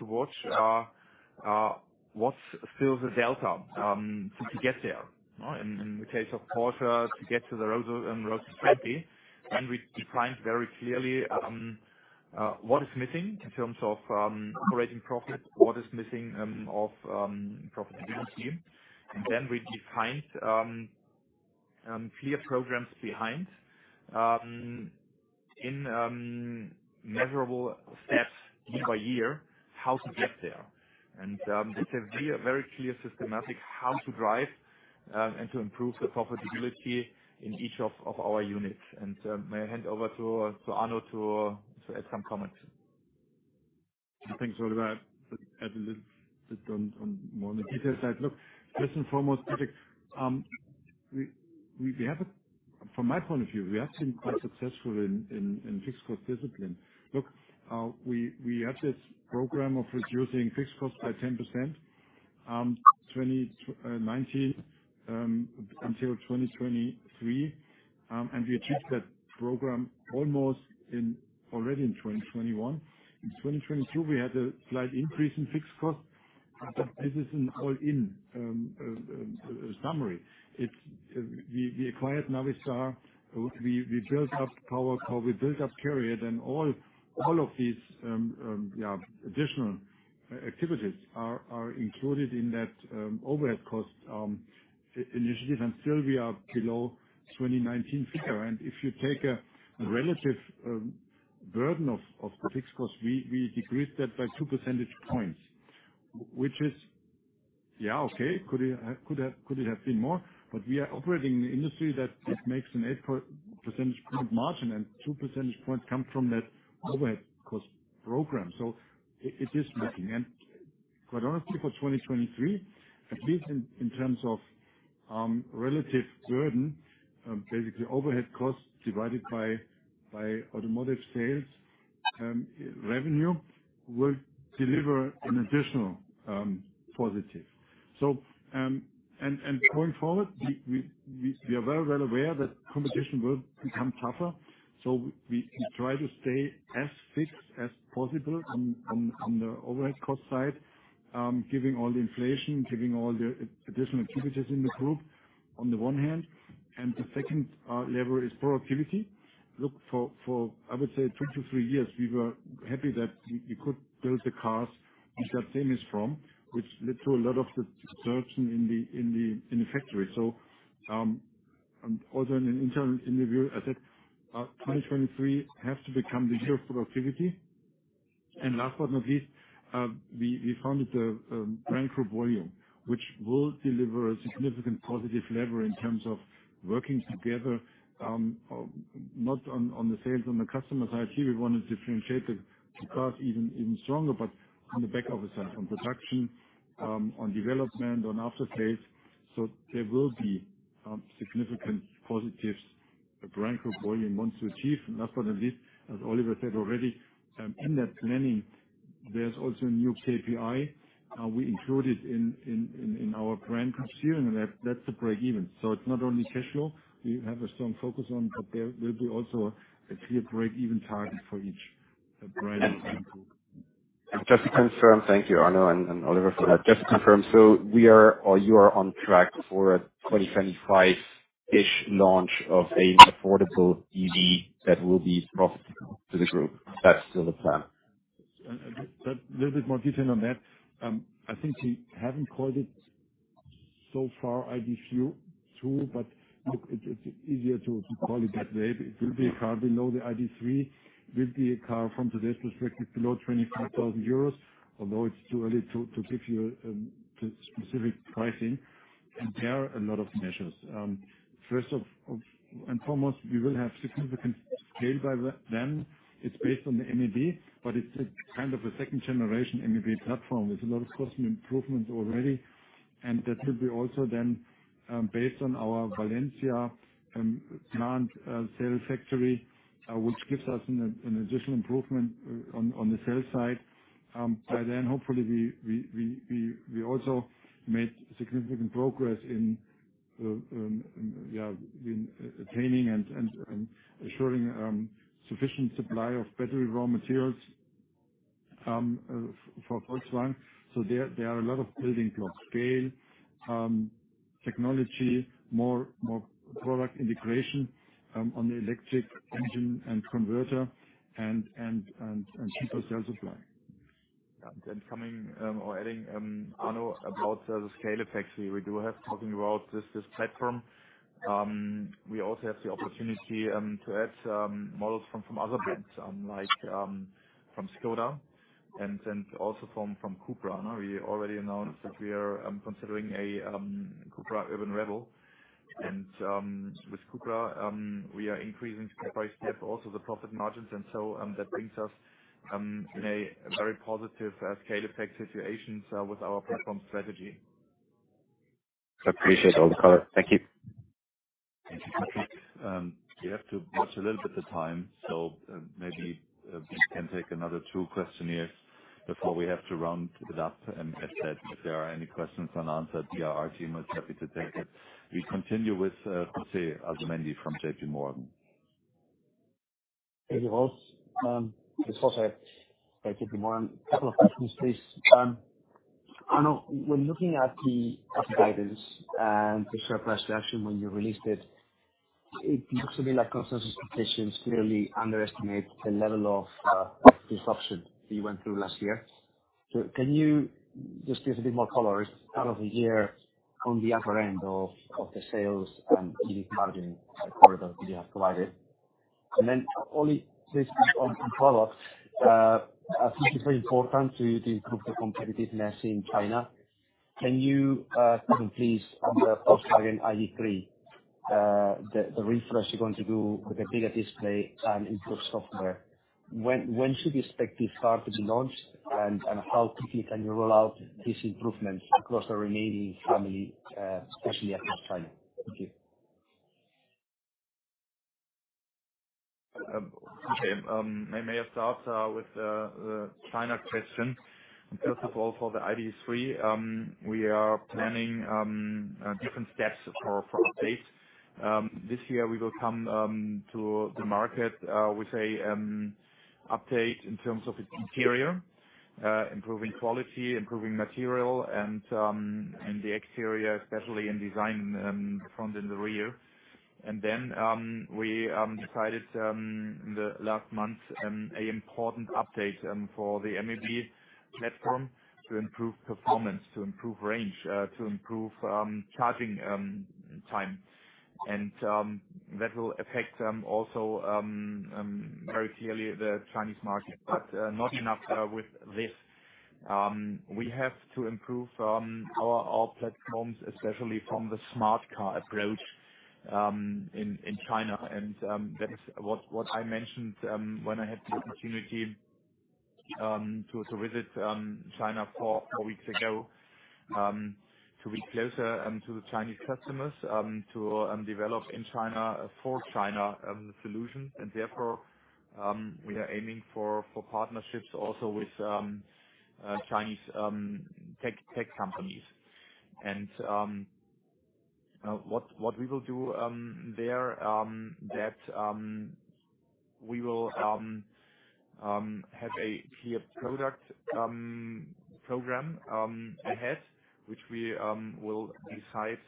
to watch what fills the delta to get there. In the case of Porsche, to get to the Road to 6.5. We defined very clearly, what is missing in terms of operating profit, what is missing of profitability. Then we defined clear programs behind in measurable steps year by year, how to get there. It's a very clear systematic how to drive and to improve the profitability in each of our units. May I hand over to Arno to add some comments. Thanks, Oliver. I'll add a little bit on more on the detail side. Look, first and foremost, Patrick, From my point of view, we have been quite successful in fixed cost discipline. Look, we have this program of reducing fixed costs by 10%, 2019 until 2023. We achieved that program already in 2021. In 2022, we had a slight increase in fixed costs, this is an all-in summary. We acquired Navistar. We built up PowerCo, we built up CARIAD, and all of these additional activities are included in that overhead cost initiative, and still we are below 2019 figure. If you take a relative burden of fixed costs, we decreased that by 2 percentage points. Which is, yeah, okay, could it have been more? But we are operating in an industry that just makes an 8 percentage point margin, and 2 percentage points come from that overhead cost program. It is missing. Quite honestly, for 2023, at least in terms of relative burden, basically overhead costs divided by automotive sales revenue will deliver an additional positive. Going forward, we are very well aware that competition will become tougher, so we try to stay as fixed as possible on the overhead cost side, giving all the inflation, giving all the additional activities in the group on the one hand. The second lever is productivity. Look, for I would say two to three years, we were happy that we could build the cars in that same as from, which led to a lot of the absorption in the factory. Also in an internal interview, I said, 2023 has to become the year of productivity. Last but not least, we founded the Brand Group Volume, which will deliver a significant positive lever in terms of working together, not on the sales on the customer side. Here, we want to differentiate the cars even stronger, but on the back office side, on production, on development, on after sales. There will be significant positives the Brand Group Volume wants to achieve. Last but not least, as Oliver said already, in that planning, there's also a new KPI we included in our Brand Group steering, and that's a break even. It's not only cash flow we have a strong focus on, but there will be also a clear break even target for each brand in the group. Just to confirm. Thank you, Arno and Oliver. Just to confirm. We are or you are on track for a 2025-ish launch of an affordable EV that will be profitable to the Group. That's still the plan. A little bit more detail on that. I think we haven't called it so far ID.2, but look, it's easier to call it that way. It will be a car below the ID.3. It will be a car from today's perspective, below 25,000 euros, although it's too early to give you specific pricing. There are a lot of measures. First and foremost, we will have significant scale by then. It's based on the MEB, but it's kind of a second generation MEB platform. There's a lot of cost improvements already, and that will be also then based on our Valencia plant cell factory, which gives us an additional improvement on the sales side by then, hopefully we also made significant progress in, yeah, in attaining and assuring sufficient supply of battery raw materials for Volkswagen. There are a lot of building blocks. Scale, technology, more product integration, on the electric engine and converter and cheaper cell supply. Yeah. Coming or adding Arno, about the scale effects, we do have talking about this platform. We also have the opportunity to add some models from other brands, like from Skoda and also from Cupra. We already announced that we are considering a Cupra UrbanRebel. With Cupra, we are increasing price gap, also the profit margins. That brings us in a very positive scale effect situation with our platform strategy. I appreciate all the color. Thank you. Thank you. We have to watch a little bit the time, so maybe we can take another two questioners before we have to round it up. As said, if there are any questions unanswered, our team is happy to take it. We continue with José Asumendi from JPMorgan. Hey, guys. It's José at JPMorgan. Couple of questions, please. Arno, when looking at the guidance and the share price reaction when you released it looks to me like consensus expectations clearly underestimate the level of disruption you went through last year. Can you just give a bit more color out of the year on the upper end of the sales and EV margin corridor that you have provided? Oli, please, on follow-up. I think it's very important to improve the competitiveness in China. Can you comment please on the Volkswagen ID.3, the refresh you're going to do with a bigger display and improved software? When should we expect this car to be launched, and how quickly can you roll out these improvements across the remaining family, especially across China? Thank you. Okay. May I start with the China question. First of all, for the ID.3, we are planning different steps for update. This year we will come to the market with a update in terms of its interior, improving quality, improving material and the exterior, especially in design, front and the rear. Then we decided in the last months a important update for the MEB platform to improve performance, to improve range, to improve charging time. That will affect also very clearly the Chinese market, but not enough with this. We have to improve our platforms, especially from the smart car approach in China. That is what I mentioned when I had the opportunity to visit China four weeks ago to be closer to the Chinese customers, to develop In China, for China solutions. Therefore, we are aiming for partnerships also with Chinese tech companies. What we will do there, that we will have a clear product program ahead, which we will decide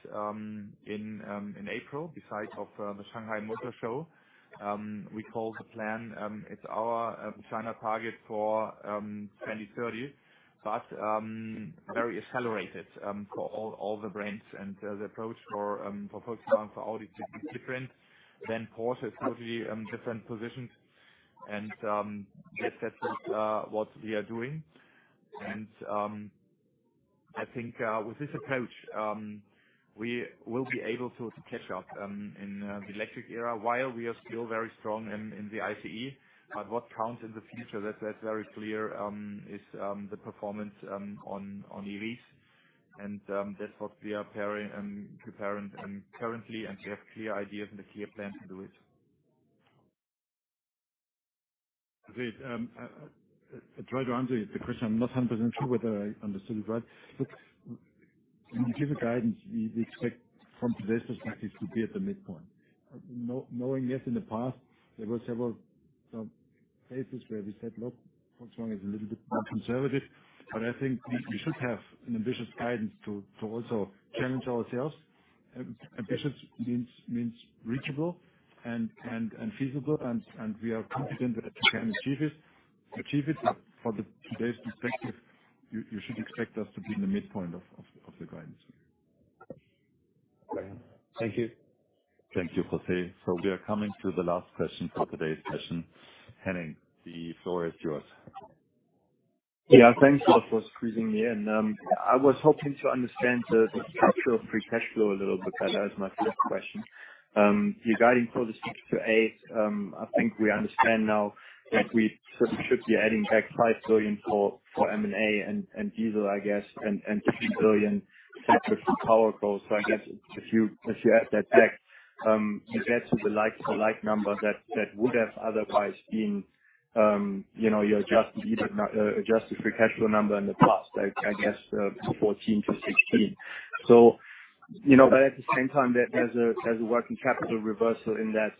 in April, besides of the Shanghai Motor Show. We call the plan, it's our China target for 2030, but very accelerated for all the brands. The approach for Volkswagen, for Audi to be different than Porsche. Porsche, different positions, and yes, that's what we are doing. I think with this approach, we will be able to catch up in the electric era while we are still very strong in the ICE. What counts in the future, that's very clear, is the performance on EVs. That's what we are preparing currently. We have clear ideas and a clear plan to do it. Great. I'll try to answer the question. I'm not 100% sure whether I understood it right. Look, when we give a guidance, we expect from today's perspective to be at the midpoint. Knowing this in the past, there were several cases where we said, "Look, Volkswagen is a little bit more conservative," but I think we should have an ambitious guidance to also challenge ourselves. Ambitious means reachable and feasible, and we are confident that we can achieve it. But for the today's perspective, you should expect us to be in the midpoint of the guidance. Thank you. Thank you, José. We are coming to the last question for today's session. Henning, the floor is yours. Yeah. Thanks a lot for squeezing me in. I was hoping to understand the structure of free cash flow a little bit. That was my first question. You're guiding for the 6 billion-8 billion. I think we understand now that we should be adding back 5 billion for M&A and diesel, I guess, and 2 billion separate from PowerCo. I guess if you, if you add that back, you get to the like for like number that would have otherwise been, you know, your adjusted adjusted free cash flow number in the past, I guess, 14 billion-16 billion. You know, but at the same time, there's a, there's a working capital reversal in that.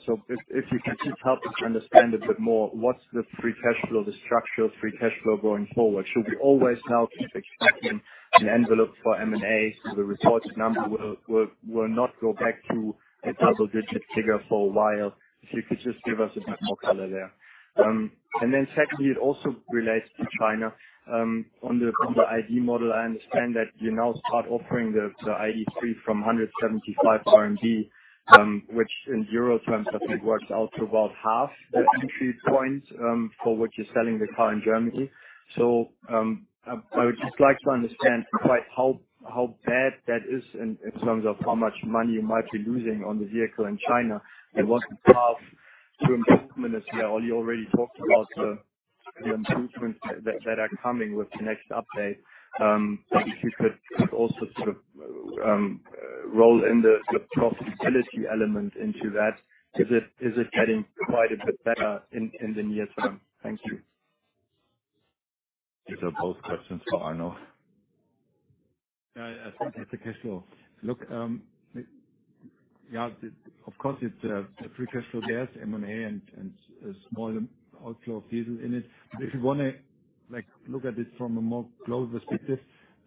If you can just help us understand a bit more, what's the free cash flow, the structure of free cash flow going forward? Should we always now keep expecting an envelope for M&A, so the reported number will not go back to a double-digit figure for a while? If you could just give us a bit more color there. Secondly, it also relates to China. On the ID. model, I understand that you now start offering the ID.3 from 175 RMB, which in EUR terms I think works out to about half the entry point for which you're selling the car in Germany. I would just like to understand quite how bad that is in terms of how much money you might be losing on the vehicle in China. What's the path to improvement as Oliver Blume already talked about the improvements that are coming with the next update. If you could also sort of roll in the profitability element into that. Is it getting quite a bit better in the near term? Thank you. These are both questions for Arno. Yeah. I think it's a cash flow. Look, yeah, of course it's a free cash flow. There's M&A and small outflow of diesel in it. If you wanna, like, look at it from a more global perspective,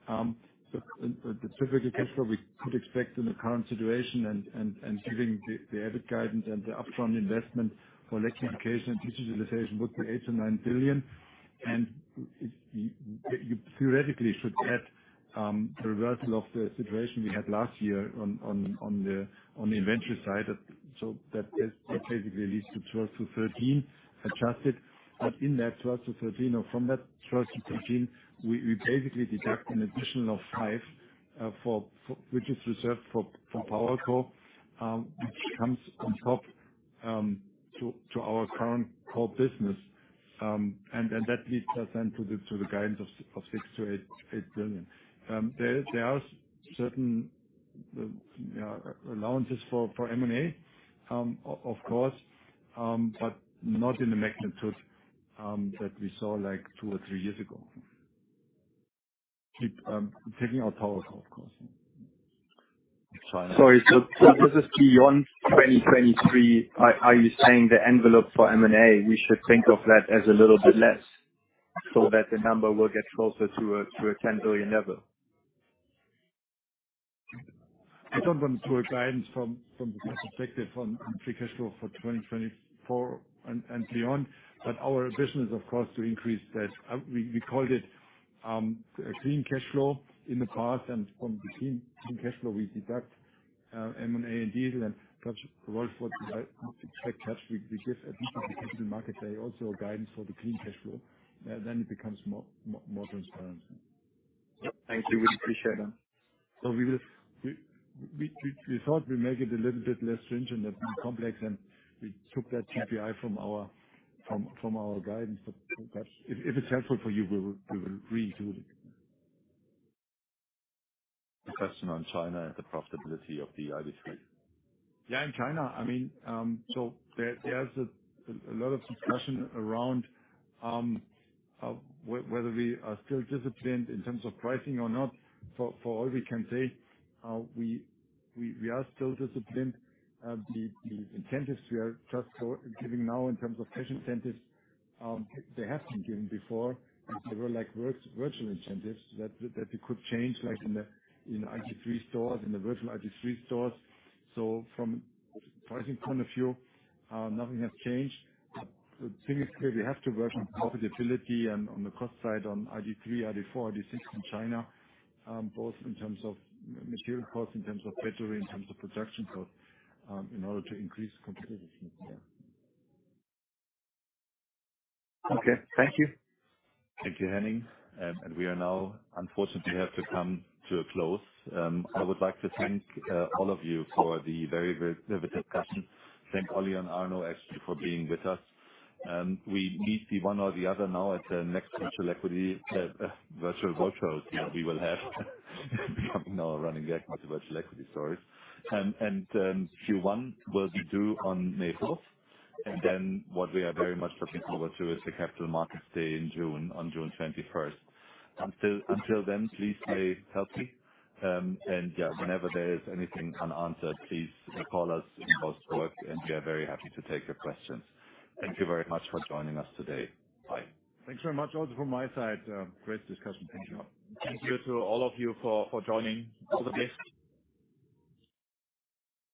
the typical cash flow we could expect in the current situation and given the EBIT guidance and the upfront investment for electrification and digitalization would be 8 billion-9 billion. And you theoretically should get a reversal of the situation we had last year on the inventory side. That basically leads to 12 billion-13 billion adjusted. In that 12 billion-13 billion, or from that 12 billion-13 billion, we basically deduct an additional 5 billion, for which is reserved for, from PowerCo, which comes on top to our current core business. That leads us then to the guidance of 6-8 billion. There are certain allowances for M&A, of course, but not in the magnitude that we saw, like, two or three years ago. Keep taking out PowerCo, of course. Sorry. This is beyond 2023. Are you saying the envelope for M&A, we should think of that as a little bit less, so that the number will get closer to a 10 billion level? I don't want to give guidance from the cost perspective on free cash flow for 2024 and beyond. Our vision is of course to increase that. We called it a clean cash flow in the past. From the clean cash flow we deduct M&A and diesel and capture the workforce we give at least the capital market day also a guidance for the clean cash flow, then it becomes more transparent. Yep. Thank you. We appreciate that. We thought we'd make it a little bit less stringent and complex, and we took that CPI from our guidance. If it's helpful for you, we will redo it. A question on China and the profitability of the ID.3. Yeah, in China, I mean, there's a lot of discussion around whether we are still disciplined in terms of pricing or not. For all we can say, we are still disciplined. The incentives we are just giving now in terms of cash incentives, they have been given before, and they were like virtual incentives that you could change, like in the ID. stores, in the virtual ID. stores. From pricing point of view, nothing has changed. Clearly we have to work on profitability and on the cost side on ID.3, ID.4, ID.6 in China, both in terms of material costs, in terms of battery, in terms of production costs, in order to increase competitiveness, yeah. Okay. Thank you. Thank you, Henning. We are now unfortunately have to come to a close. I would like to thank all of you for the very vivid discussion. Thank Oli and Arno actually for being with us. We meet the one or the other now at the next virtual equity, virtual board show we will have now running back virtual equity sorry. Q1 will be due on May fourth. What we are very much looking forward to is the Capital Markets Day in June, on June twenty-first. Until then, please stay healthy. Yeah, whenever there is anything unanswered, please call us in post-work, and we are very happy to take your questions. Thank you very much for joining us today. Bye. Thanks very much also from my side. Great discussion. Thank you. Thank you to all of you for joining.